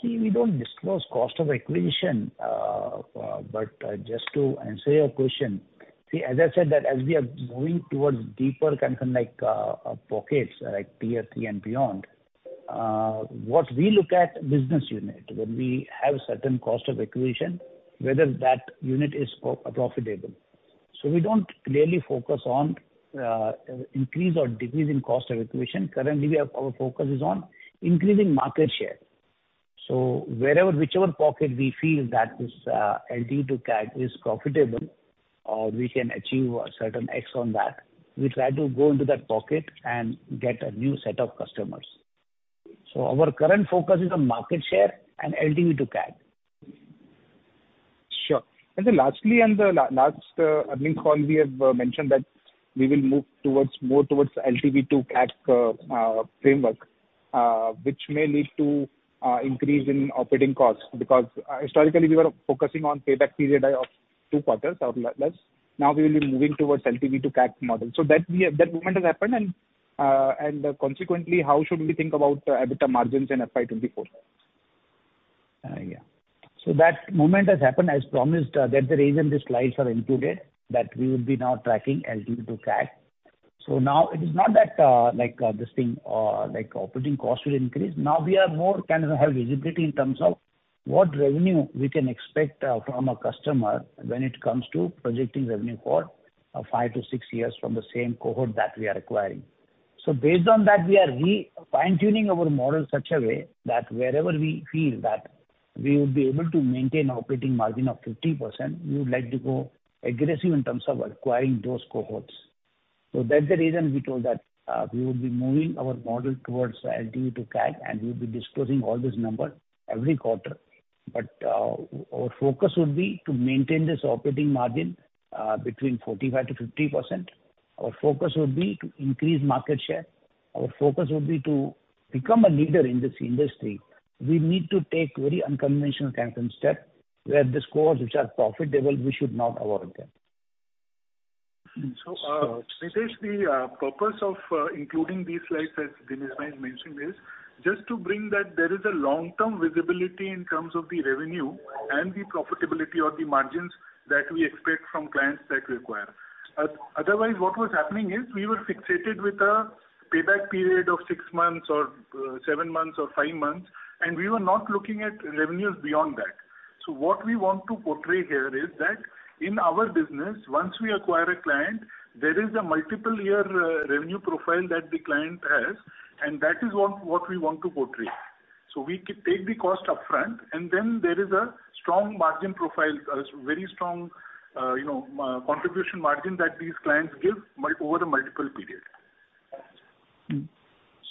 See, we don't disclose cost of acquisition. Just to answer your question, see, as I said that as we are moving towards deeper kind of like pockets like TFC and beyond, what we look at business unit when we have certain cost of acquisition, whether that unit is profitable. We don't really focus on increase or decrease in cost of acquisition. Currently, our focus is on increasing market share. Wherever, whichever pocket we feel that is LTV to CAC is profitable or we can achieve a certain X on that, we try to go into that pocket and get a new set of customers. Our current focus is on market share and LTV to CAC. Sure. Lastly, on the last earnings call, we have mentioned that we will move more towards LTV to CAC framework, which may lead to increase in operating costs. Historically, we were focusing on payback period of two quarters or less. Now we will be moving towards LTV to CAC model. That movement has happened and consequently, how should we think about the EBITDA margins in FY 2024? Yeah. That movement has happened. As promised, that's the reason the slides are included, that we will be now tracking LTV to CAC. Now it is not that, like, this thing, like operating costs will increase. Now we are more, kind of, have visibility in terms of what revenue we can expect from a customer when it comes to projecting revenue for five-six years from the same cohort that we are acquiring. Based on that, we are re-fine-tuning our model in such a way that wherever we feel that we would be able to maintain operating margin of 50%, we would like to go aggressive in terms of acquiring those cohorts. That's the reason we told that we would be moving our model towards LTV to CAC and we'll be disclosing all this number every quarter. Our focus would be to maintain this operating margin between 45%-50%. Our focus would be to increase market share. Our focus would be to become a leader in this industry. We need to take very unconventional kinds of step, where the scores which are profitable, we should not avoid them. Nidhesh, the purpose of including these slides, as Dinesh bhai is mentioning, is just to bring that there is a long-term visibility in terms of the revenue and the profitability or the margins that we expect from clients that we acquire. Otherwise, what was happening is we were fixated with a payback period of six months or seven months or five months, and we were not looking at revenues beyond that. What we want to portray here is that in our business, once we acquire a client, there is a multiple year revenue profile that the client has, and that is what we want to portray. We take the cost upfront, and then there is a strong margin profile, very strong, you know, contribution margin that these clients give over the multiple period.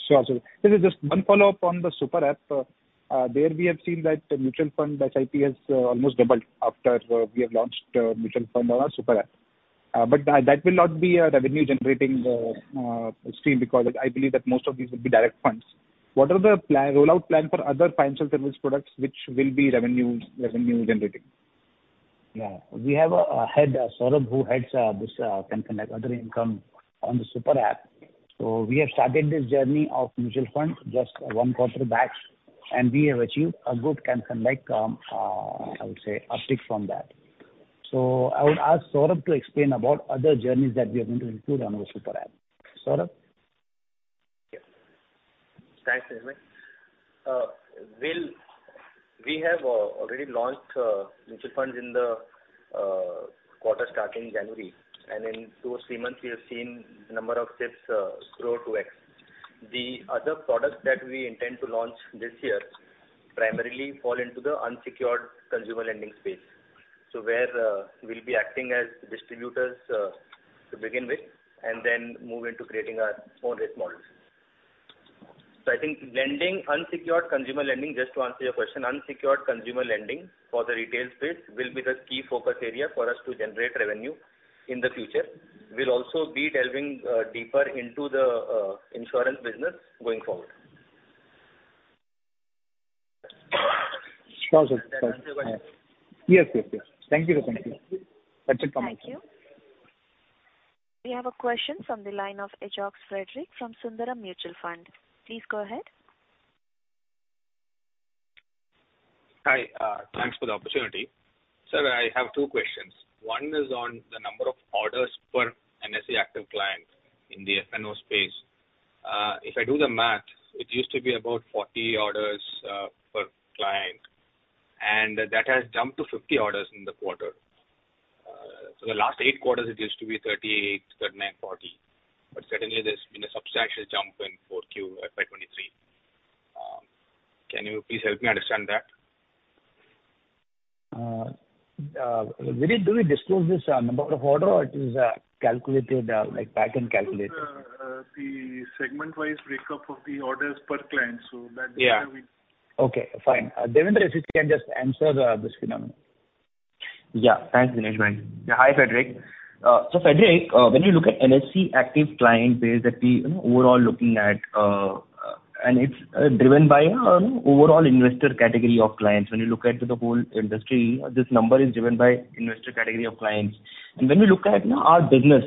Sure. This is just one follow-up on the Super App. There we have seen that mutual fund SIP has almost doubled after we have launched mutual fund on our Super App. That will not be a revenue generating stream because I believe that most of these will be direct funds. What are the plan, rollout plan for other financial service products which will be revenue generating? We have a head, Saurabh, who heads this kind of like other income on the Super App. We have started this journey of mutual funds just one quarter back, and we have achieved a good kind of like, I would say, uptick from that. I would ask Saurabh to explain about other journeys that we are going to include on our Super App. Saurabh? Yeah. Thanks, Dinesh. Well, we have already launched mutual funds in the quarter starting January, and in two or three months we have seen number of SIPs grow 2x. The other products that we intend to launch this year primarily fall into the unsecured consumer lending space. Where we'll be acting as distributors to begin with, and then move into creating our own risk models. I think lending, unsecured consumer lending, just to answer your question, unsecured consumer lending for the retail space will be the key focus area for us to generate revenue in the future. We'll also be delving deeper into the insurance business going forward. Sure, sir. Does that answer your question? Yes. Yes. Yes. Thank you for that. Thank you. That's it from my side. Thank you. We have a question from the line of H. Ox Frederick from Sundaram Mutual Fund. Please go ahead. Hi. Thanks for the opportunity. Sir, I have two questions. One is on the number of orders per NSE active client in the F&O space. If I do the math, it used to be about 40 orders per client, and that has jumped to 50 orders in the quarter. The last eight quarters it used to be 38, 39, 40. Suddenly there's been a substantial jump in 4Q at by 23. Can you please help me understand that? Did we, do we disclose this, number of order or it is, calculated, like back-end calculated? the segment-wise breakup of the orders per client, so that data we- Yeah. Okay. Fine. Devendra, if you can just answer this phenomenon. Yeah. Thanks, Dinesh. Yeah. Hi, Frederick. So Frederick, when you look at NSE active client base that we, you know, overall looking at, and it's driven by overall investor category of clients. When you look at to the whole industry, this number is driven by investor category of clients. When we look at now our business,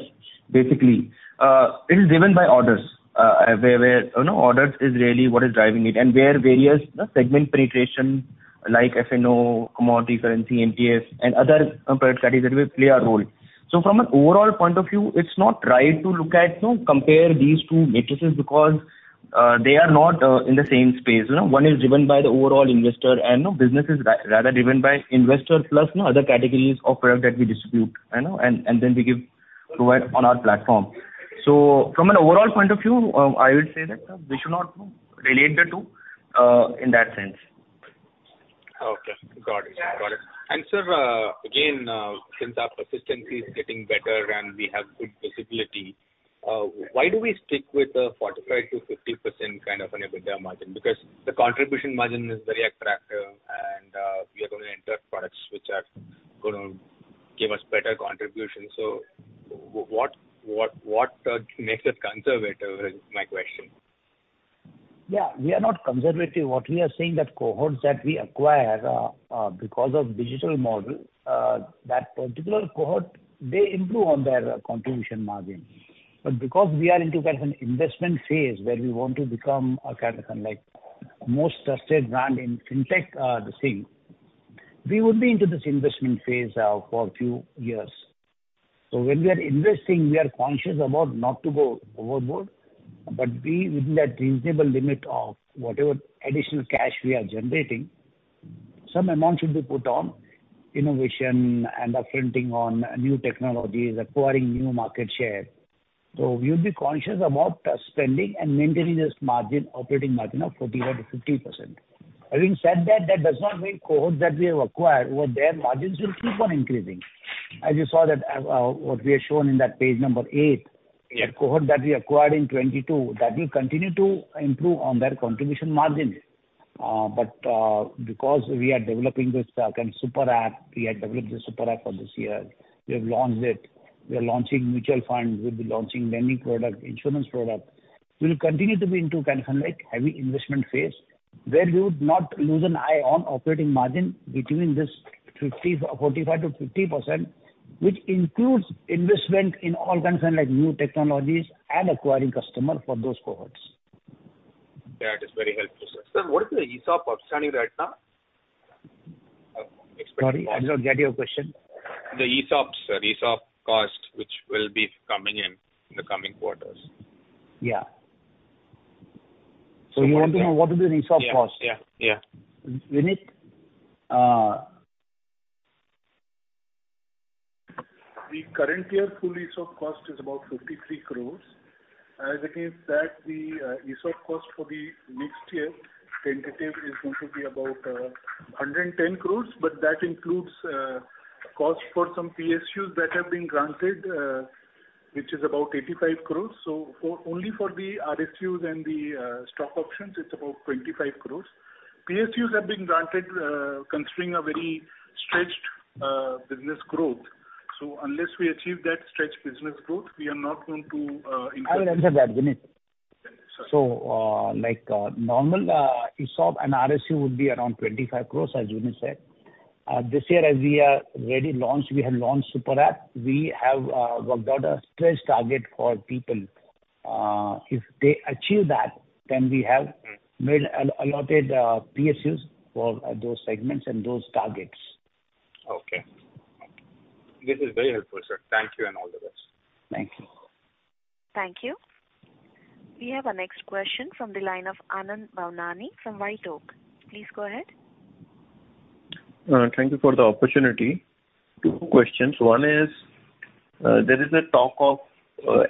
basically, it is driven by orders, where, you know, orders is really what is driving it and where various segment penetration like F&O, commodity, currency, MTS and other product categories will play our role. So from an overall point of view, it's not right to look at, you know, compare these two matrices because they are not in the same space. You know, one is driven by the overall investor and, you know, business is rather driven by investor plus, you know, other categories of product that we distribute, you know, and then we give, provide on our platform. From an overall point of view, I would say that we should not relate the two in that sense. Okay. Got it. Got it. Sir, again, since our persistency is getting better and we have good visibility, why do we stick with the 45%-50% kind of an EBITDA margin? The contribution margin is very attractive and we are gonna enter products which are gonna give us better contribution. What makes us conservative is my question. Yeah. We are not conservative. What we are saying that cohorts that we acquire, because of digital model, that particular cohort, they improve on their contribution margin. Because we are into kind of an investment phase where we want to become a kind of like most trusted brand in fintech, thing, we would be into this investment phase for a few years. When we are investing, we are conscious about not to go overboard, but be within that reasonable limit of whatever additional cash we are generating. Some amount should be put on innovation and up-fronting on new technologies, acquiring new market share. We would be conscious about spending and maintaining this margin, operating margin of 45%-50%. Having said that does not mean cohorts that we have acquired, well, their margins will keep on increasing. As you saw that, what we have shown in that page number eight- Yeah. The cohort that we acquired in 2022, that will continue to improve on their contribution margin. Because we are developing this, kind Super App, we have developed the Super App for this year. We have launched it. We are launching mutual funds. We'll be launching lending product, insurance product. We'll continue to be into kind of like heavy investment phase where we would not lose an eye on operating margin between this 45%-50%, which includes investment in all kinds of like new technologies and acquiring customer for those cohorts. Yeah. That is very helpful, sir. Sir, what is the ESOP outstanding right now? Sorry, I did not get your question. The ESOPs, sir. ESOP cost which will be coming in in the coming quarters. Yeah. You want to know what is the ESOP cost? Yeah. Yeah. Yeah. Vineet. The current year full ESOP cost is about 53 crores. Against that, the ESOP cost for the next year tentative is going to be about 110 crores, but that includes cost for some PSUs that have been granted, which is about 85 crores. For, only for the RSUs and the stock options, it's about 25 crores. PSUs have been granted considering a very stretched business growth. Unless we achieve that stretched business growth, we are not going to increase- I will answer that, Vineet. Yes, sir. Like, normal ESOP and RSU would be around 25 crores, as Vineet said. This year as we are ready launch, we have launched Super App. We have worked out a stretched target for people. If they achieve that, then we have. Mm-hmm. made allotted PSUs for those segments and those targets. Okay. This is very helpful, sir. Thank you and all the best. Thank you. Thank you. We have our next question from the line of Anand Bhavnani from White Oak. Please go ahead. Thank you for the opportunity. Two questions. One is, there is a talk of,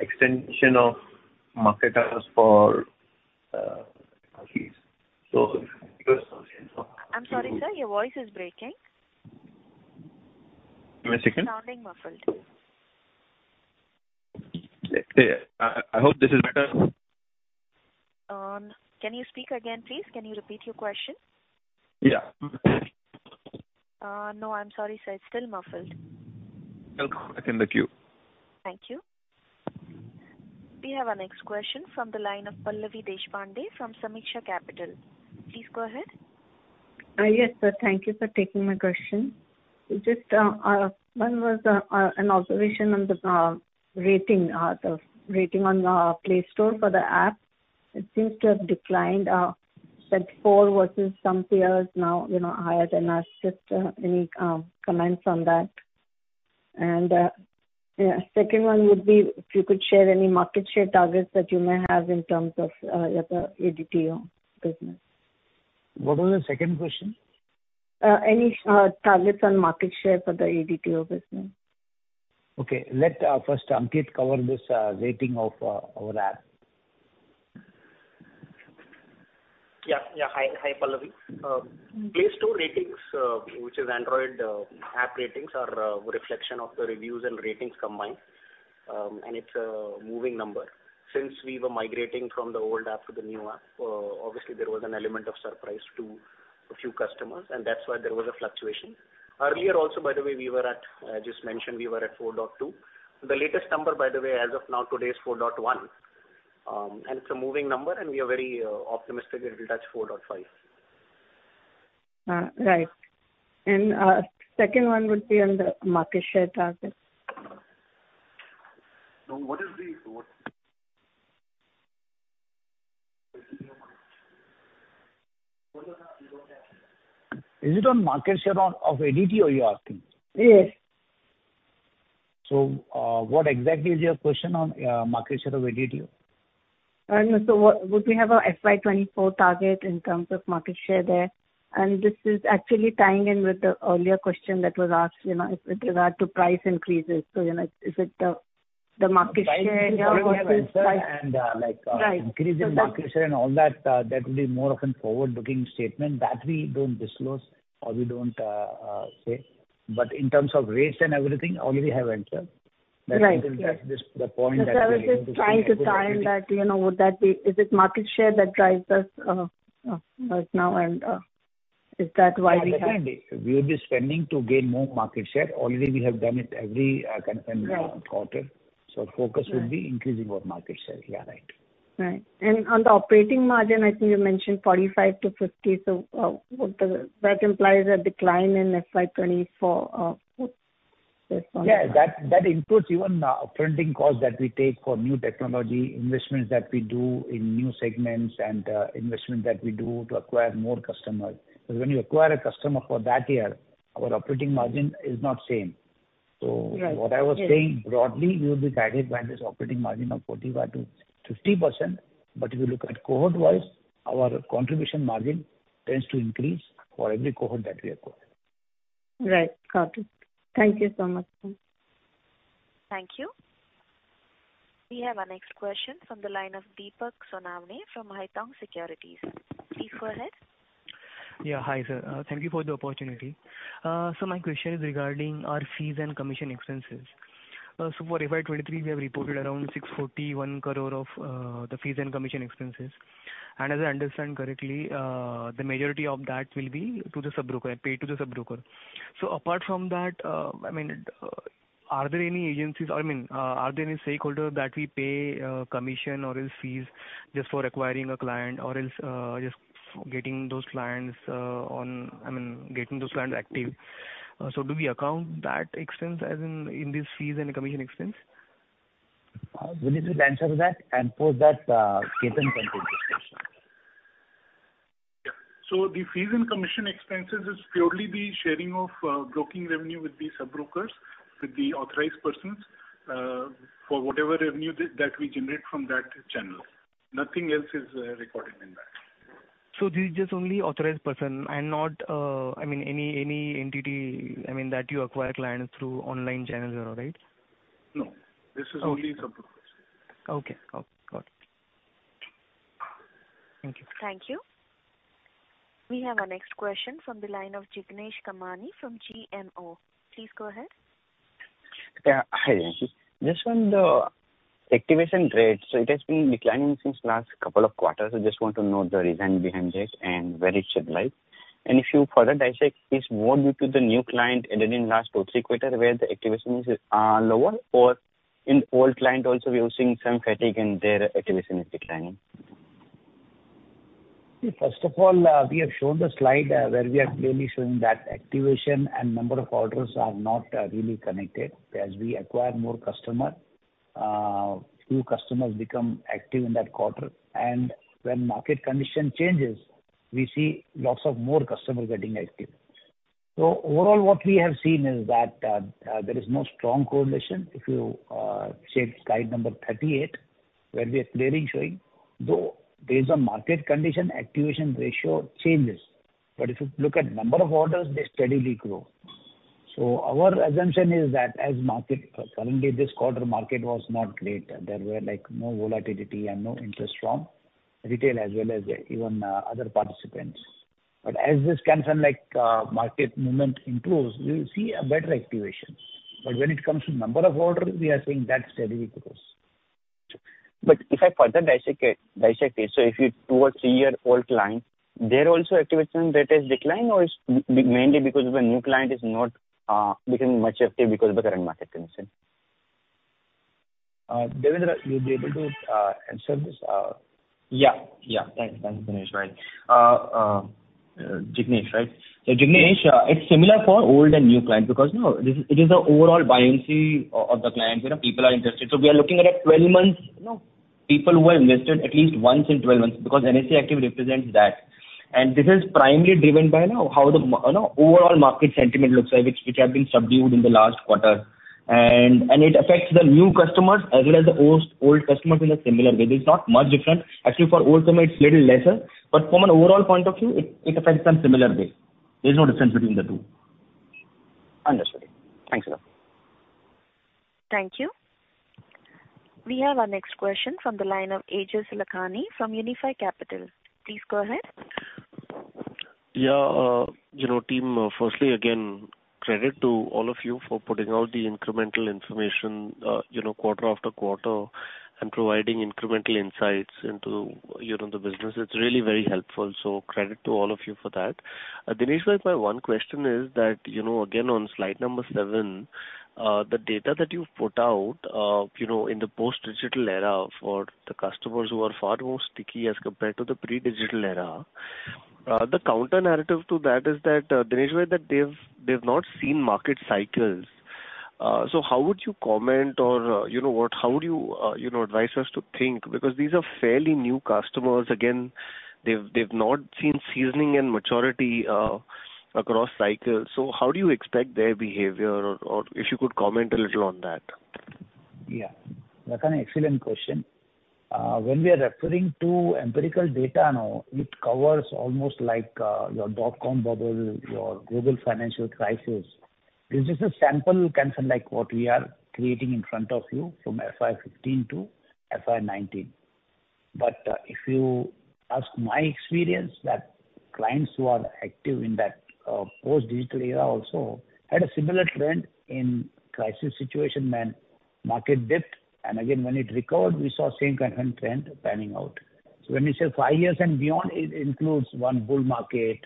extension of marketers for. I'm sorry, sir. Your voice is breaking. Am I second? Sounding muffled. Yeah. I hope this is better. Can you speak again, please? Can you repeat your question? Yeah. No. I'm sorry, sir. It's still muffled. I'll call back in the queue. Thank you. We have our next question from the line of Pallavi Deshpande from Sameeksha Capital. Please go ahead. Yes, sir. Thank you for taking my question. Just one was an observation on the rating, the rating on the Play Store for the app. It seems to have declined, four versus some peers now, you know, higher than us. Just any comments on that? Yeah, second one would be if you could share any market share targets that you may have in terms of the ADTO business. What was the second question? any targets on market share for the ADTO business? Okay. Let first Ankit cover this rating of our app. Yeah. Yeah. Hi. Hi, Pallavi. Play Store ratings, which is Android, app ratings are a reflection of the reviews and ratings combined, and it's a moving number. Since we were migrating from the old app to the new app, obviously there was an element of surprise to a few customers, and that's why there was a fluctuation. Earlier also, by the way, we were at, just mentioned we were at 4.2. The latest number by the way, as of now, today is 4.1. It's a moving number, and we are very, optimistic it will touch 4.5. Right. Second one would be on the market share target. what is the Is it on market share on, of ADTO you're asking? Yes. What exactly is your question on market share of ADTO? No. What would we have a FY 2024 target in terms of market share there? This is actually tying in with the earlier question that was asked, you know, with regard to price increases. You know, is it the market share? And, uh, like- Right. increasing market share and all that will be more of an forward-looking statement that we don't disclose or we don't say. In terms of rates and everything, already we have answered. Right. That we will touch this, the point that I was just trying to tie in that, you know, is it market share that drives us right now and is that why? Understandably. We will be spending to gain more market share. Already we have done it every kind of in quarter. Right. So focus- Right. will be increasing our market share. Yeah, right. Right. On the operating margin, I think you mentioned 45%-50%. That implies a decline in FY 2024. Yeah. That includes even printing costs that we take for new technology, investments that we do in new segments and investment that we do to acquire more customers. When you acquire a customer for that year, our operating margin is not same. Right. Yeah. What I was saying, broadly, we will be guided by this operating margin of 45%-50%. If you look at cohort-wise, our contribution margin tends to increase for every cohort that we acquire. Right. Got it. Thank you so much, sir. Thank you. We have our next question from the line of Deepak Sonawane from Haitong Securities. Please go ahead. Yeah. Hi, sir. Thank you for the opportunity. My question is regarding our fees and commission expenses. For FY 2023, we have reported around 641 crore of the fees and commission expenses. As I understand correctly, the majority of that will be to the sub-broker, paid to the sub-broker. Apart from that, I mean, are there any agencies or, I mean, are there any stakeholder that we pay commission or else fees just for acquiring a client or else, just getting those clients active? Do we account that expense as in this fees and commission expense? Vineet will answer that. Post that, Ketan can take this question. Yeah. The fees and commission expenses is purely the sharing of broking revenue with the sub-brokers, with the authorized persons, for whatever revenue that we generate from that channel. Nothing else is recorded in that. This is just only authorized person and not, I mean any entity that you acquire clients through online channels or Right? No. Okay. This is only sub-brokers. Okay. Got it. Thank you. Thank you. We have our next question from the line of Jignesh Kamani from GMO. Please go ahead. Yeah. Hi. Just on the activation rates, it has been declining since last couple of quarters. I just want to know the reason behind this and where it should lie. If you further dissect, is more due to the new client added in last two, three quarters where the activations are lower or in old client also we are seeing some fatigue and their activation is declining. First of all, we have shown the slide, where we are clearly showing that activation and number of orders are not really connected. As we acquire more customer, few customers become active in that quarter. When market condition changes, we see lots of more customers getting active. Overall, what we have seen is that, there is no strong correlation. If you check slide number 38, where we are clearly showing, though there is a market condition, activation ratio changes. If you look at number of orders, they steadily grow. Our assumption is that as market, currently this quarter market was not great. There were like more volatility and no interest from retail as well as, even, other participants. As this kind of like, market movement improves, we'll see a better activation. When it comes to number of orders, we are seeing that steadily grows. If I further dissect it, so if you two or three year-old client, their also activation rate has declined, or it's mainly because of a new client is not becoming much active because of the current market condition? Devendra, will you be able to answer this? Yeah. Yeah. Thanks. Thanks, Jignesh. Jignesh, right? Jignesh, it's similar for old and new client because, you know, this is, it is the overall buy-in see of the clients, you know, people are interested. We are looking at a 12 months, you know, people who are invested at least once in 12 months because NSE active represents that. This is primarily driven by, you know, how the overall market sentiment looks like, which have been subdued in the last quarter. It affects the new customers as well as the old customers in a similar way. There's not much difference. Actually, for old customers it's little lesser, but from an overall point of view, it affects them similar way. There's no difference between the two. Understood. Thanks a lot. Thank you. We have our next question from the line of Aejas Lakhani from Unifi Capital. Please go ahead. Yeah. you know, team, firstly, again, credit to all of you for putting out the incremental information, you know, quarter after quarter and providing incremental insights into, you know, the business. It's really very helpful. Credit to all of you for that. Dinesh, my one question is that, you know, again, on slide number seven, the data that you've put out, you know, in the post-digital era for the customers who are far more sticky as compared to the pre-digital era, the counter narrative to that is that, Dinesh, that they've not seen market cycles. How would you comment or, you know what, how would you know, advise us to think? Because these are fairly new customers. Again, they've not seen seasoning and maturity, across cycles. How do you expect their behavior or if you could comment a little on that? Yeah. That's an excellent question. When we are referring to empirical data now, it covers almost like your dotcom bubble, your global financial crisis. This is a sample kind of like what we are creating in front of you from FY 2015 to FY 2019. If you ask my experience that clients who are active in that post-digital era also had a similar trend in crisis situation when market dipped, and again, when it recovered, we saw same kind of trend panning out. When we say five years and beyond, it includes one bull market,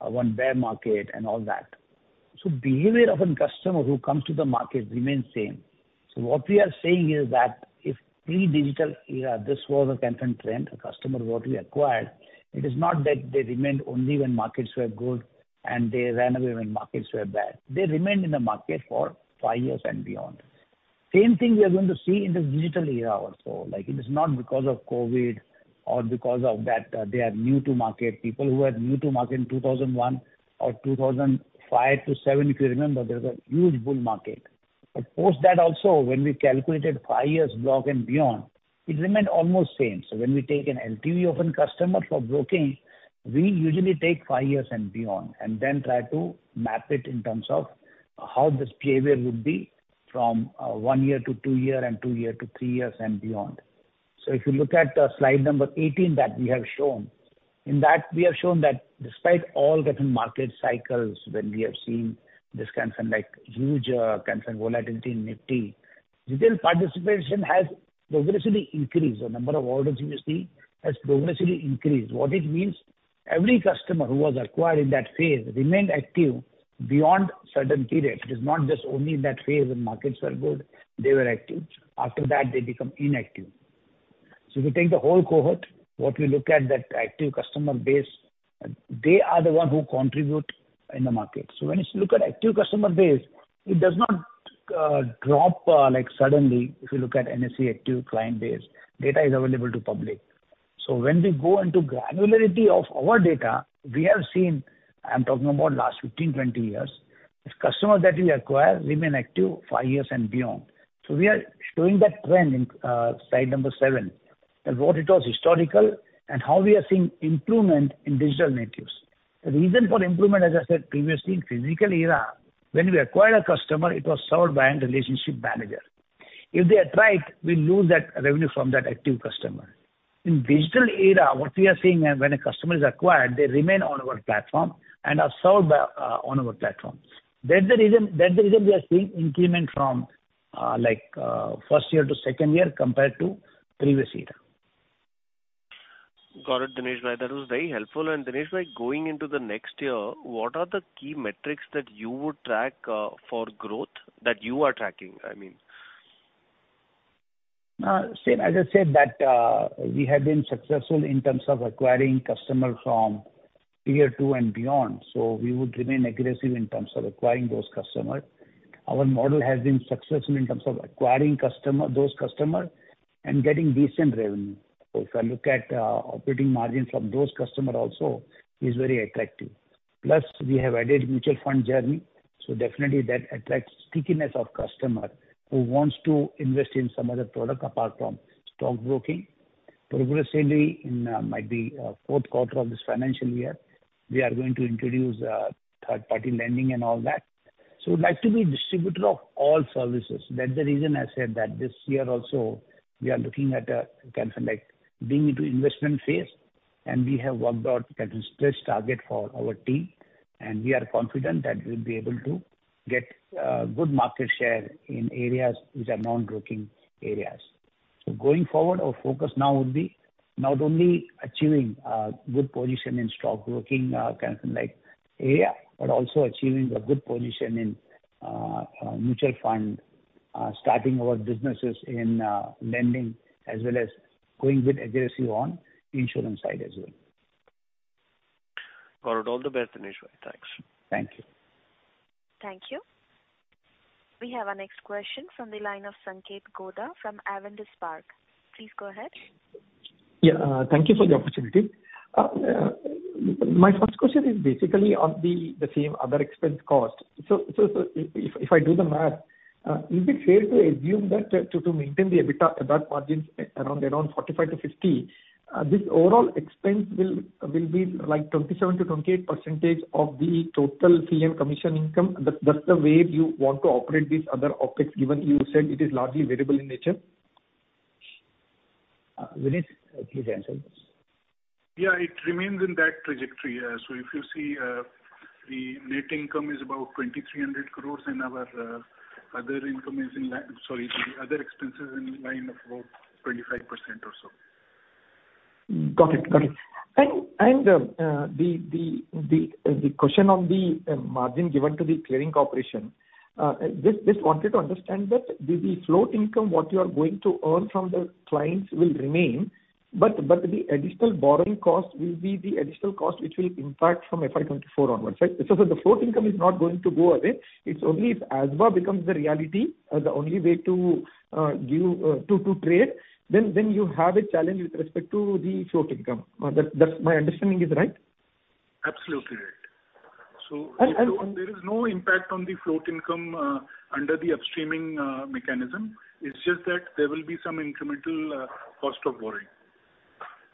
one bear market and all that. Behavior of a customer who comes to the market remains same. What we are saying is that if pre-digital era this was a certain trend, a customer what we acquired, it is not that they remained only when markets were good and they ran away when markets were bad. They remained in the market for five years and beyond. Same thing we are going to see in the digital era also. Like, it is not because of COVID or because of that, they are new to market. People who are new to market in 2001 or 2005 to 2007, if you remember, there was a huge bull market. Post that also when we calculated five years block and beyond, it remained almost same. When we take an LTV of a customer for broking, we usually take five years and beyond, and then try to map it in terms of how this behavior would be from one year to two years and two years to three years and beyond. If you look at slide number 18 that we have shown, in that we have shown that despite all different market cycles when we have seen this kind of like huge volatility in Nifty, retail participation has progressively increased. The number of orders you see has progressively increased. What it means, every customer who was acquired in that phase remained active beyond certain period. It is not just only in that phase when markets were good they were active, after that they become inactive. If you take the whole cohort, what we look at that active customer base, they are the one who contribute in the market. When you look at active customer base, it does not drop, like suddenly, if you look at NSE active client base, data is available to public. When we go into granularity of our data, we have seen, I'm talking about last 15, 20 years, the customers that we acquire remain active five years and beyond. We are showing that trend in slide number seven, and what it was historical and how we are seeing improvement in digital natives. The reason for improvement, as I said previously, in physical era, when we acquired a customer, it was served by a relationship manager. If they attrite, we lose that revenue from that active customer. In digital era, what we are seeing when a customer is acquired, they remain on our platform and are served by on our platform. That's the reason we are seeing increment from first year to second year compared to previous era. Got it, Dinesh Bhai. That was very helpful. Dinesh Bhai, going into the next year, what are the key metrics that you would track for growth that you are tracking, I mean? Same as I said that, we have been successful in terms of acquiring customers from Tier 2 and beyond, we would remain aggressive in terms of acquiring those customers. Our model has been successful in terms of acquiring customer, those customer and getting decent revenue. If I look at operating margin from those customer also is very attractive. Plus, we have added mutual fund journey, so definitely that attracts stickiness of customer who wants to invest in some other product apart from stockbroking. Progressively in might be fourth quarter of this financial year, we are going to introduce third-party lending and all that. We'd like to be distributor of all services. That's the reason I said that this year also we are looking at kind of like leaning to investment phase, and we have worked out that stretch target for our team, and we are confident that we'll be able to get good market share in areas which are non-broking areas. Going forward, our focus now would be not only achieving good position in stockbroking kind of like area, but also achieving a good position in mutual fund, starting our businesses in lending as well as going bit aggressive on insurance side as well. Got it. All the best, Dinesh Bhai. Thanks. Thank you. Thank you. We have our next question from the line of Sanketh Godha from Avendus Capital. Please go ahead. Yeah. Thank you for the opportunity. My first question is basically on the same other expense cost. If I do the math, is it fair to assume that to maintain the EBITDA margins around 45% to 50%, this overall expense will be like 27%-28% of the total fee and commission income? That's the way you want to operate these other OpEx, given you said it is largely variable in nature. Vineet, please answer this. Yeah, it remains in that trajectory. If you see, the net income is about 2,300 crores and our, other income is in line... Sorry, the other expenses are in line of about 25% or so. Got it. Got it. The question on the margin given to the clearing corporation, just wanted to understand that the float income, what you are going to earn from the clients will remain, but the additional borrowing cost will be the additional cost which will impact from FY 2024 onwards, right? The float income is not going to go away. It's only if ASBA becomes the reality, the only way to give to trade, then you have a challenge with respect to the float income. That's my understanding, is right? Absolutely right. And, and- There is no impact on the float income, under the upstreaming mechanism. It's just that there will be some incremental cost of borrowing.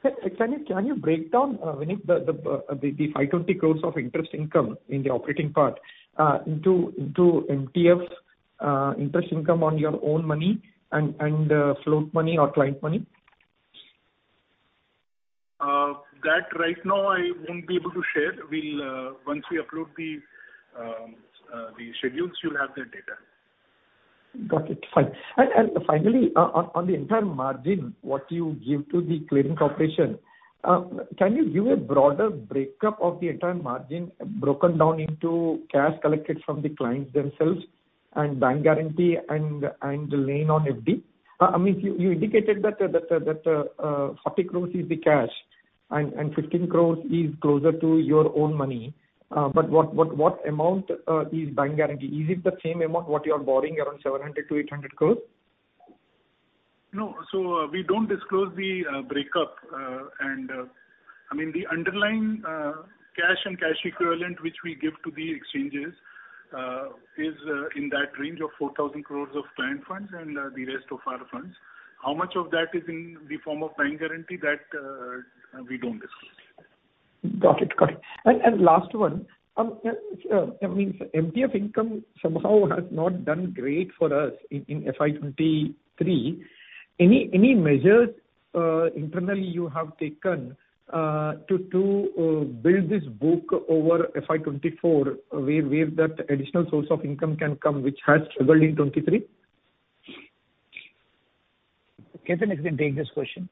Sir, can you break down Vineet, the 520 crore of interest income in the operating part, into MTF's interest income on your own money and float money or client money? That right now I won't be able to share. We'll Once we upload the schedules, you'll have the data. Got it. Fine. Finally, on the entire margin, what you give to the clearing corporation, can you give a broader breakup of the entire margin broken down into cash collected from the clients themselves and bank guarantee and the lien on FD? I mean, you indicated that 40 crores is the cash and 15 crores is closer to your own money. But what amount is bank guarantee? Is it the same amount what you are borrowing around 700 crores-800 crores? No. We don't disclose the breakup. I mean, the underlying cash and cash equivalent which we give to the exchanges is in that range of 4,000 crore of client funds and the rest of our funds. How much of that is in the form of bank guarantee, that we don't disclose. Got it. Last one. I mean, MTF income somehow has not done great for us in FY 2023. Any measures internally you have taken to build this book over FY 2024 where that additional source of income can come, which has struggled in 2023? Ketan can take this question.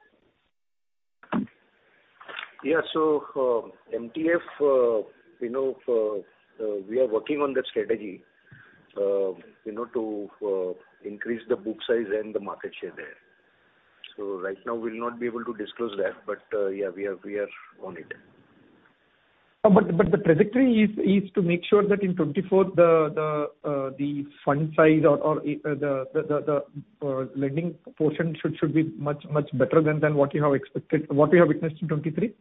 Yeah. MTF, you know, we are working on that strategy, you know, to increase the book size and the market share there. Right now we'll not be able to disclose that, but, yeah, we are, we are on it. The trajectory is to make sure that in 2024 the fund size or the lending portion should be much better than what you have expected, what we have witnessed in 2023?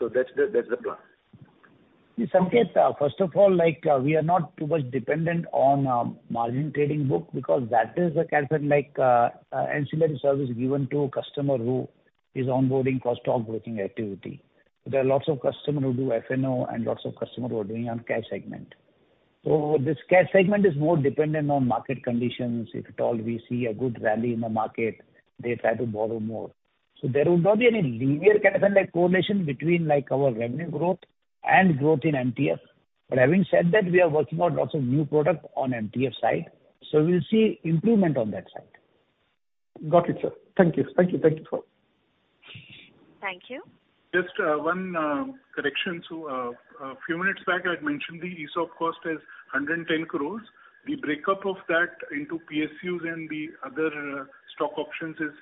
Yeah. That's the plan. Sanket, first of all, like, we are not too much dependent on margin trading book because that is a kind of like ancillary service given to a customer who is onboarding for stockbroking activity. There are lots of customer who do F&O and lots of customer who are doing on cash segment. This cash segment is more dependent on market conditions. If at all we see a good rally in the market, they try to borrow more. There will not be any linear kind of like correlation between like our revenue growth and growth in MTF. Having said that, we are working on lots of new products on MTF side, so we'll see improvement on that side. Got it, sir. Thank you. Thank you. Thank you for all. Thank you. Just one correction. A few minutes back, I had mentioned the ESOP cost is 110 crores. The breakup of that into PSUs and the other stock options is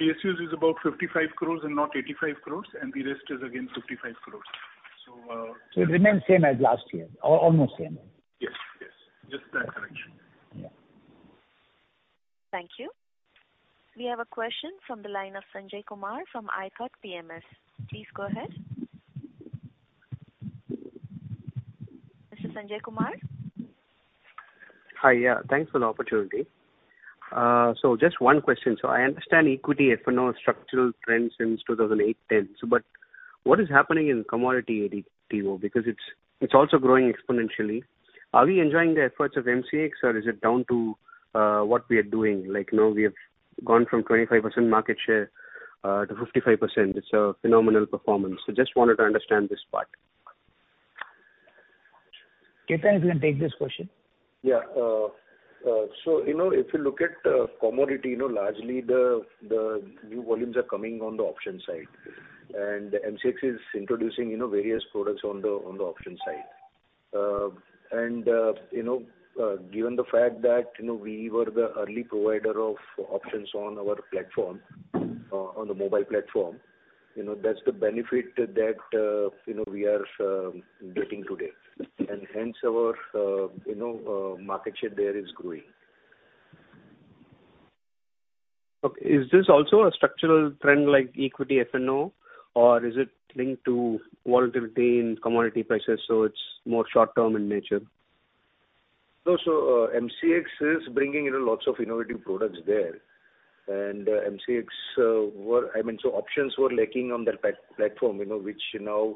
PSUs is about 55 crores and not 85 crores, and the rest is again 55 crores. It remains same as last year, or almost same. Yes, yes. Just that correction. Yeah. Thank you. We have a question from the line of Sanjay Kumar from ithought. Please go ahead. Mr. Sanjay Kumar? Hi. Yeah. Thanks for the opportunity. Just one question. I understand equity F&O structural trends since 2008, 2010. What is happening in commodity ADTO? Because it's also growing exponentially. Are we enjoying the efforts of MCX, or is it down to what we are doing? Like, you know, we have gone from 25% market share to 55%. It's a phenomenal performance. Just wanted to understand this part. Ketan, you can take this question. Yeah. You know, if you look at commodity, you know, largely the new volumes are coming on the option side. MCX is introducing, you know, various products on the option side. You know, given the fact that, you know, we were the early provider of options on our platform, on the mobile platform, you know, that's the benefit that, you know, we are getting today. Hence our, you know, market share there is growing. Okay. Is this also a structural trend like equity F&O or is it linked to volatility in commodity prices, so it's more short-term in nature? No. MCX is bringing in lots of innovative products there. MCX, I mean, options were lacking on their platform, you know, which now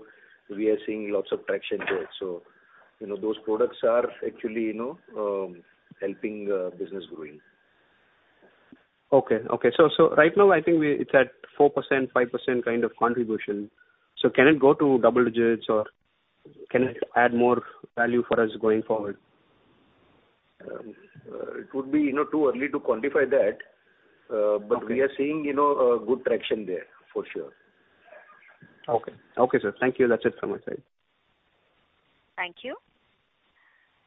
we are seeing lots of traction there. You know, those products are actually, you know, helping business growing. Okay, okay. right now I think it's at 4%, 5% kind of contribution. Can it go to double digits or can it add more value for us going forward? It would be, you know, too early to quantify that. Okay. We are seeing, you know, a good traction there for sure. Okay. Okay, sir. Thank you. That's it from my side. Thank you.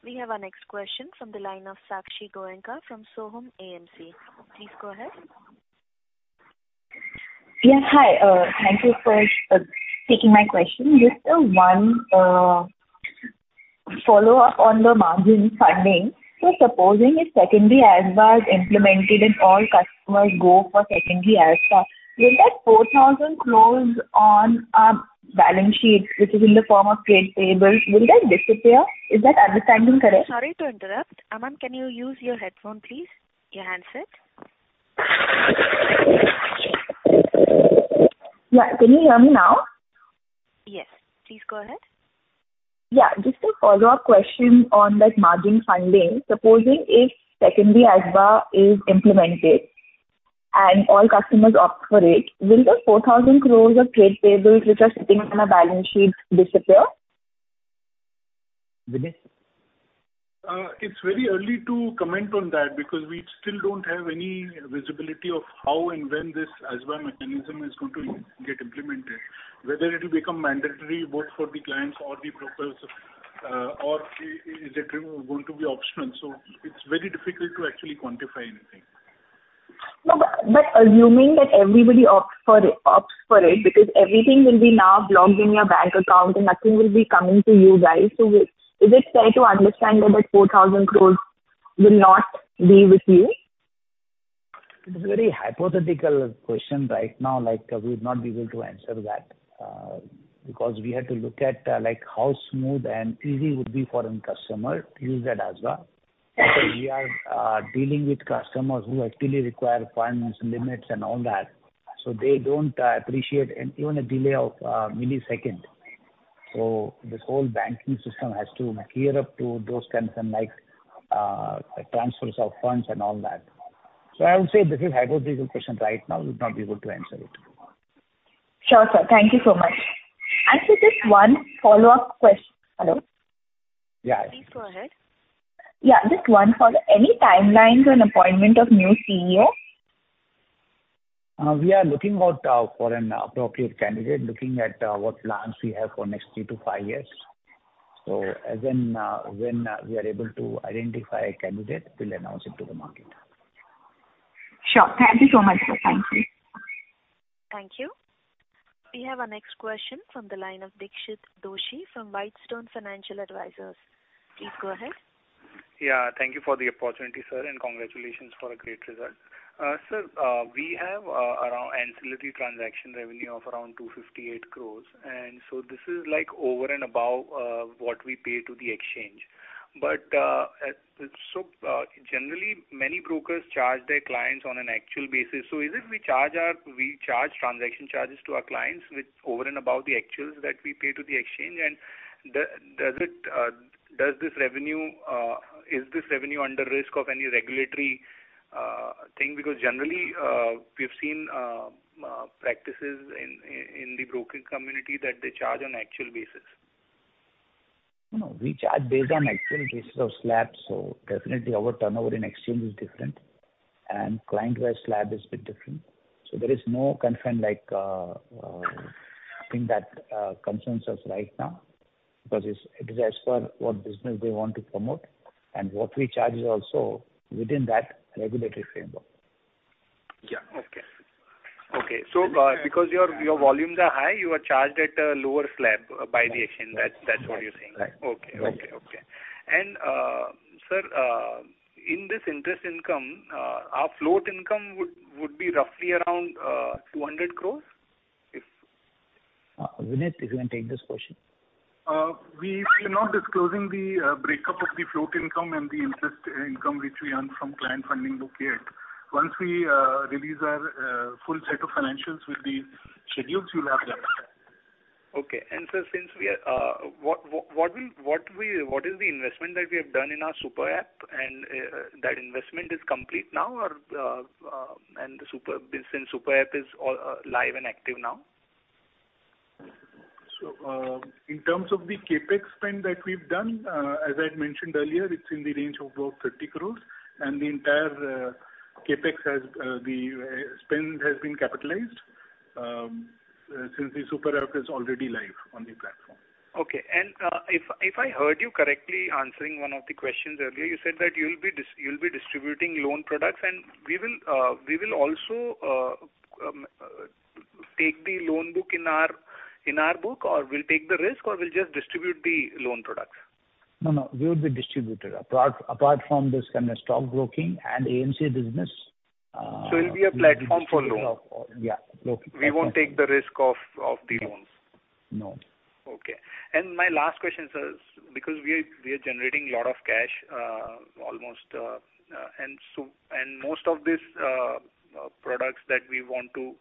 We have our next question from the line of Sakshi Goenka from Sohum AMC. Please go ahead. Yes. Hi. Thank you for taking my question. Just one follow-up on the margin funding. Supposing if secondary ASBA is implemented and all customers go for secondary ASBA, will that 4,000 crore on balance sheet, which is in the form of trade payables, will that disappear? Is that understanding correct? Sorry to interrupt. Ma'am, can you use your headphone please? Your handset? Yeah. Can you hear me now? Yes. Please go ahead. Just a follow-up question on that margin funding. Supposing if secondary ASBA is implemented and all customers opt for it, will the 4,000 crore of trade payables which are sitting on a balance sheet disappear? Vineet? It's very early to comment on that because we still don't have any visibility of how and when this ASBA mechanism is going to get implemented, whether it'll become mandatory both for the clients or the brokers, or is it going to be optional? It's very difficult to actually quantify anything. Assuming that everybody opts for it because everything will be now logged in your bank account and nothing will be coming to you guys. Is it fair to understand that 4,000 crores will not be with you? It's a very hypothetical question right now, like, we would not be able to answer that, because we have to look at, like how smooth and easy would be for a customer to use that ASBA. We are dealing with customers who actually require finance limits and all that, so they don't appreciate a, even a delay of a millisecond. This whole banking system has to gear up to those kinds of like, transfers of funds and all that. I would say this is hypothetical question right now. We would not be able to answer it. Sure, sir. Thank you so much. Actually, just one follow-up ques... Hello? Yeah. Please go ahead. Yeah, just one follow. Any timelines on appointment of new CEO? We are looking out for an appropriate candidate, looking at what plans we have for next three-five years. As and when we are able to identify a candidate, we'll announce it to the market. Sure. Thank you so much, sir. Thank you. Thank you. We have our next question from the line of Dixit Doshi from Whitestone Financial Advisors. Please go ahead. Yeah, thank you for the opportunity, sir, congratulations for a great result. Sir, we have around ancillary transaction revenue of around 258 crore. This is like over and above what we pay to the exchange. Generally many brokers charge their clients on an actual basis. Is it we charge transaction charges to our clients with over and above the actuals that we pay to the exchange? Does it, does this revenue, is this revenue under risk of any regulatory thing? Generally, we've seen practices in the broking community that they charge on actual basis. No, no. We charge based on actual basis of slab, so definitely our turnover in exchange is different and client-wise slab is bit different. There is no concern like, I think that concerns us right now, because it is as per what business they want to promote and what we charge is also within that regulatory framework. Yeah. Okay. Okay. Because your volumes are high, you are charged at a lower slab by the exchange. That's what you're saying. Right. Okay. Okay. Okay. Sir, in this interest income, our float income would be roughly around 200 crore? Vineet, if you can take this question. We are not disclosing the breakup of the float income and the interest income which we earn from client funding book yet. Once we release our full set of financials with the schedules, you'll have that. Okay. Sir, since we are, what is the investment that we have done in our Super App and, that investment is complete now or, and the Super App is all live and active now? In terms of the CapEx spend that we've done, as I'd mentioned earlier, it's in the range of about 30 crores and the spend has been capitalized, since the Super App is already live on the platform. Okay. If, if I heard you correctly answering one of the questions earlier, you said that you'll be distributing loan products and we will also take the loan book in our book, or we'll take the risk or we'll just distribute the loan products? No, no, we would be distributor. Apart from this kind of stockbroking and AMC business. It'll be a platform for loan. Yeah. We won't take the risk of the loans. No. Okay. My last question, sir, is because we are generating a lot of cash, almost, and so, and most of this products that we want to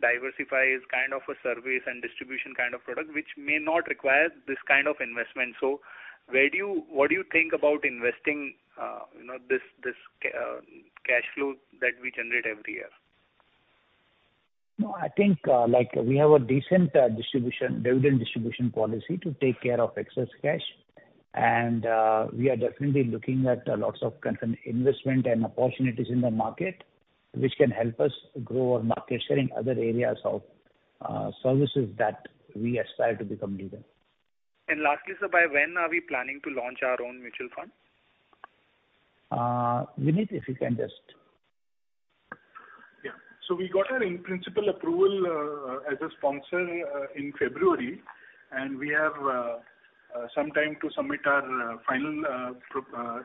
diversify is kind of a service and distribution kind of product, which may not require this kind of investment. Where do you, what do you think about investing, you know, this cash flow that we generate every year? No, I think, like we have a decent, distribution, dividend distribution policy to take care of excess cash. We are definitely looking at lots of different investment and opportunities in the market which can help us grow our market share in other areas of, services that we aspire to become leader. Lastly, sir, by when are we planning to launch our own mutual fund? Vineet, if you can just. Yeah. We got our in-principle approval, as a sponsor, in February, and we have some time to submit our final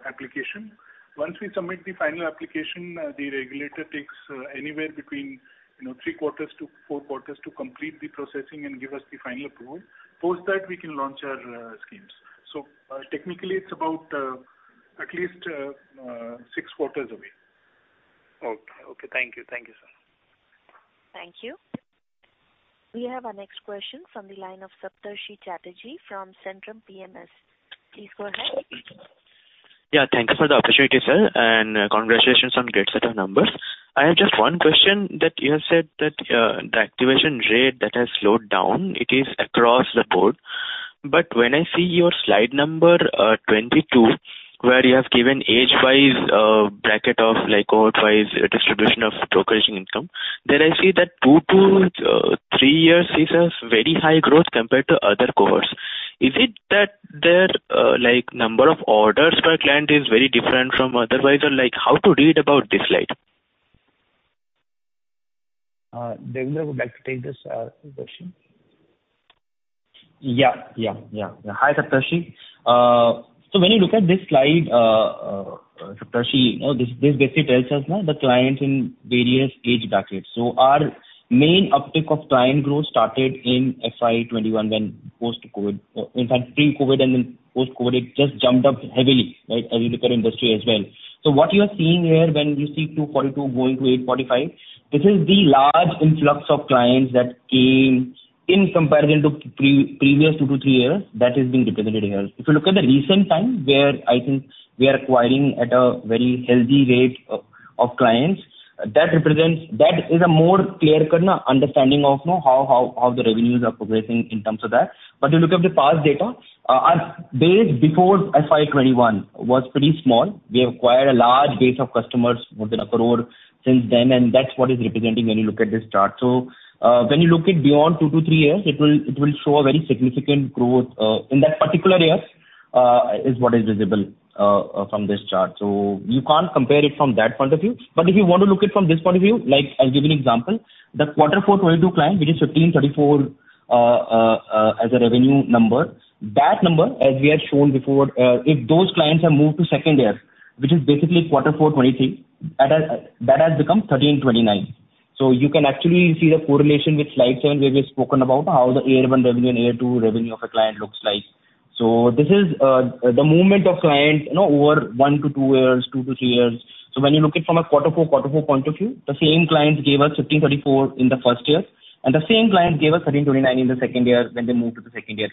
application. Once we submit the final application, the regulator takes anywhere between, you know, three quarters to four quarters to complete the processing and give us the final approval. Post that, we can launch our schemes. Technically it's about, at least, 6 quarters away. Okay. Okay. Thank you. Thank you, sir. Thank you. We have our next question from the line of Saptarshee Chatterjee from Centrum PMS. Please go ahead. Yeah, thanks for the opportunity, sir, and congratulations on great set of numbers. I have just one question that you have said that the activation rate that has slowed down, it is across the board. When I see your slide number 22, where you have given age-wise bracket of like cohort-wise distribution of brokeraging income, then I see that two to three years is a very high growth compared to other cohorts. Is it that their, like, number of orders per client is very different from otherwise? Or like how to read about this slide? Devendra, would like to take this, question. Yeah, yeah. Hi, Saptarshi. When you look at this slide, Saptarshi, you know, this basically tells us now the clients in various age brackets. Our main uptick of client growth started in FY 2021 when post-COVID, in fact pre-COVID and then post-COVID, it just jumped up heavily, right, as you look at industry as well. What you are seeing here when you see 242 going to 845, this is the large influx of clients that came in comparison to pre-previous two-three years. That is being represented here. If you look at the recent time, where I think we are acquiring at a very healthy rate of clients, That is a more clear cut na understanding of know how the revenues are progressing in terms of that. You look at the past data, our base before FY 2021 was pretty small. We acquired a large base of customers, more than 1 crore since then, and that's what is representing when you look at this chart. When you look at beyond two-three years, it will show a very significant growth in that particular years. Is what is visible from this chart. You can't compare it from that point of view. If you want to look it from this point of view, like I'll give you an example. The Q4 2022 client, which is 1,534 as a revenue number, that number, as we had shown before, if those clients have moved to second year, which is basically Q4 2023, that has become 1,329. You can actually see the correlation with slide seven, where we've spoken about how the year one revenue and year two revenue of a client looks like. This is the movement of clients, you know, over one to two years, two to three years. When you look it from a quarter four, quarter four point of view, the same client gave us 1,534 in the first year, and the same client gave us 1,329 in the second year when they moved to the second year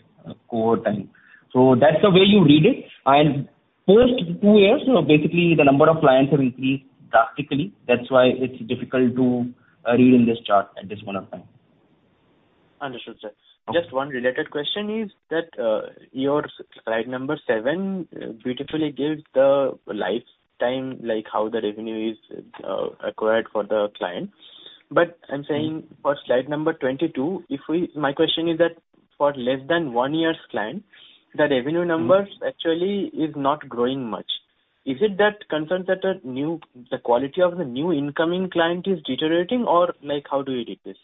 cohort. That's the way you read it. Post two years, basically the number of clients have increased drastically. That's why it's difficult to read in this chart at this point of time. Understood, sir. Just one related question is that, your slide number seven beautifully gives the lifetime, like how the revenue is, acquired for the client. I'm saying for slide number 22, My question is that for less than one year's client, the revenue numbers actually is not growing much. Is it that concerned that the new, the quality of the new incoming client is deteriorating, or like how do you read this?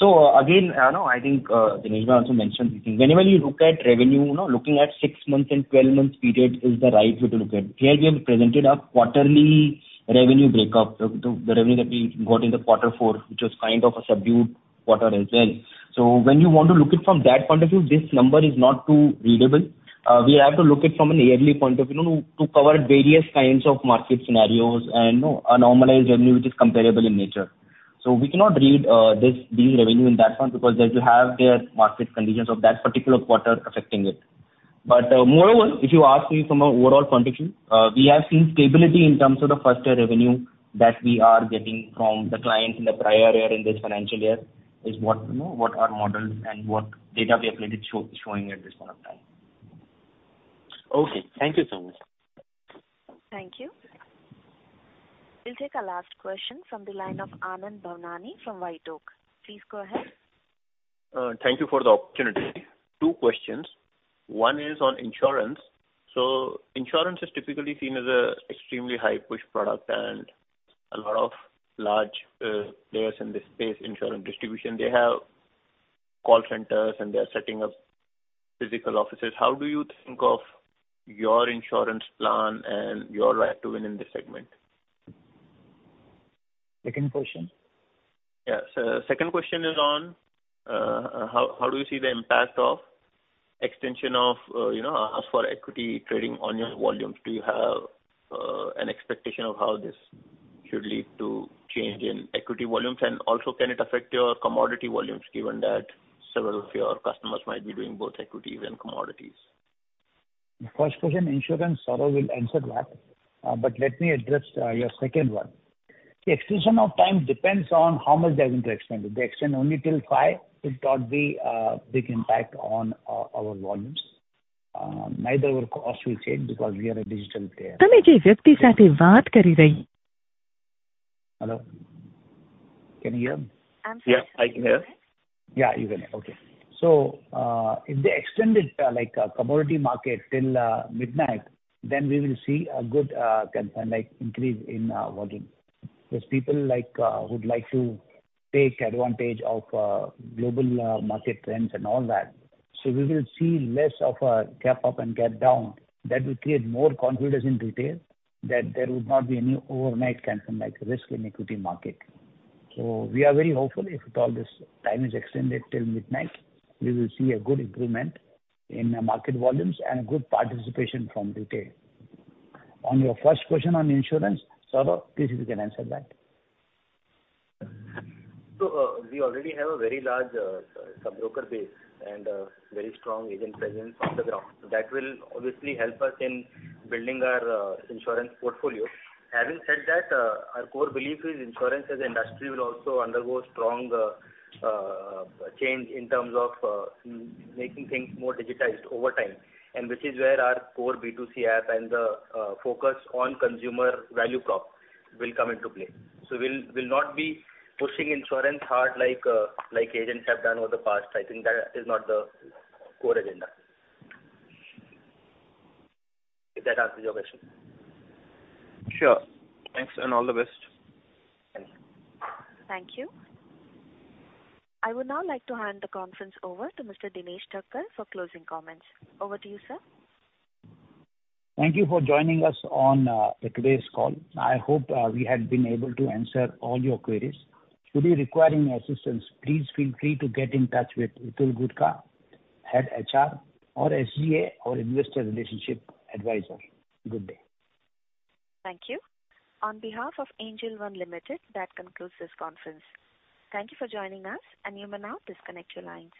Again, you know, I think Dinesh also mentioned, whenever you look at revenue, you know, looking at six months and 12 months period is the right way to look at it. Here we have presented a quarterly revenue breakup, the revenue that we got in the quarter four, which was kind of a subdued quarter as well. When you want to look it from that point of view, this number is not too readable. We have to look it from an yearly point of view, you know, to cover various kinds of market scenarios and, you know, a normalized revenue which is comparable in nature. We cannot read this being revenue in that one, because they will have their market conditions of that particular quarter affecting it. Moreover, if you ask me from an overall point of view, we have seen stability in terms of the first year revenue that we are getting from the clients in the prior year, in this financial year is what, you know, what our models and what data we have really showing at this point of time. Okay. Thank you so much. Thank you. We'll take our last question from the line of Anand Bhavnani from White Oak. Please go ahead. Thank you for the opportunity. Two questions. One is on insurance. Insurance is typically seen as a extremely high push product and a lot of large players in this space, insurance distribution, they have call centers and they are setting up physical offices. How do you think of your insurance plan and your right to win in this segment? Second question. Yeah. Second question is on how do you see the impact of extension of, you know, ASBA for equity trading on your volumes? Do you have an expectation of how this should lead to change in equity volumes? Also, can it affect your commodity volumes, given that several of your customers might be doing both equities and commodities? The first question, insurance, Saurabh will answer that. Let me address your second one. Extension of time depends on how much they're going to extend it. They extend only till five. It thought be a big impact on our volumes. Neither our costs will change because we are a digital player. Hello? Can you hear me? I'm sorry. Yes, I can hear. Yeah, you can hear. Okay. If they extend it, commodity market till midnight, then we will see a good increase in volume. Because people would like to take advantage of global market trends and all that. We will see less of a gap up and gap down. That will create more confidence in retail that there would not be any overnight cancel risk in equity market. We are very hopeful if at all this time is extended till midnight, we will see a good improvement in market volumes and good participation from retail. On your first question on insurance, Saurabh, please if you can answer that. We already have a very large sub-broker base and a very strong agent presence on the ground. That will obviously help us in building our insurance portfolio. Having said that, our core belief is insurance as an industry will also undergo strong change in terms of making things more digitized over time, and which is where our core B2C app and the focus on consumer value prop will come into play. We'll not be pushing insurance hard like agents have done over the past. I think that is not the core agenda. If that answers your question? Sure. Thanks and all the best. Thank you. Thank you. I would now like to hand the conference over to Mr. Dinesh Thakkar for closing comments. Over to you, sir. Thank you for joining us on today's call. I hope we have been able to answer all your queries. Should you require any assistance, please feel free to get in touch with Hitul Gutka, Head of Investor Relations, or SG&A, or investor relationship advisor. Good day. Thank you. On behalf of Angel One Limited, that concludes this conference. Thank you for joining us. You may now disconnect your lines.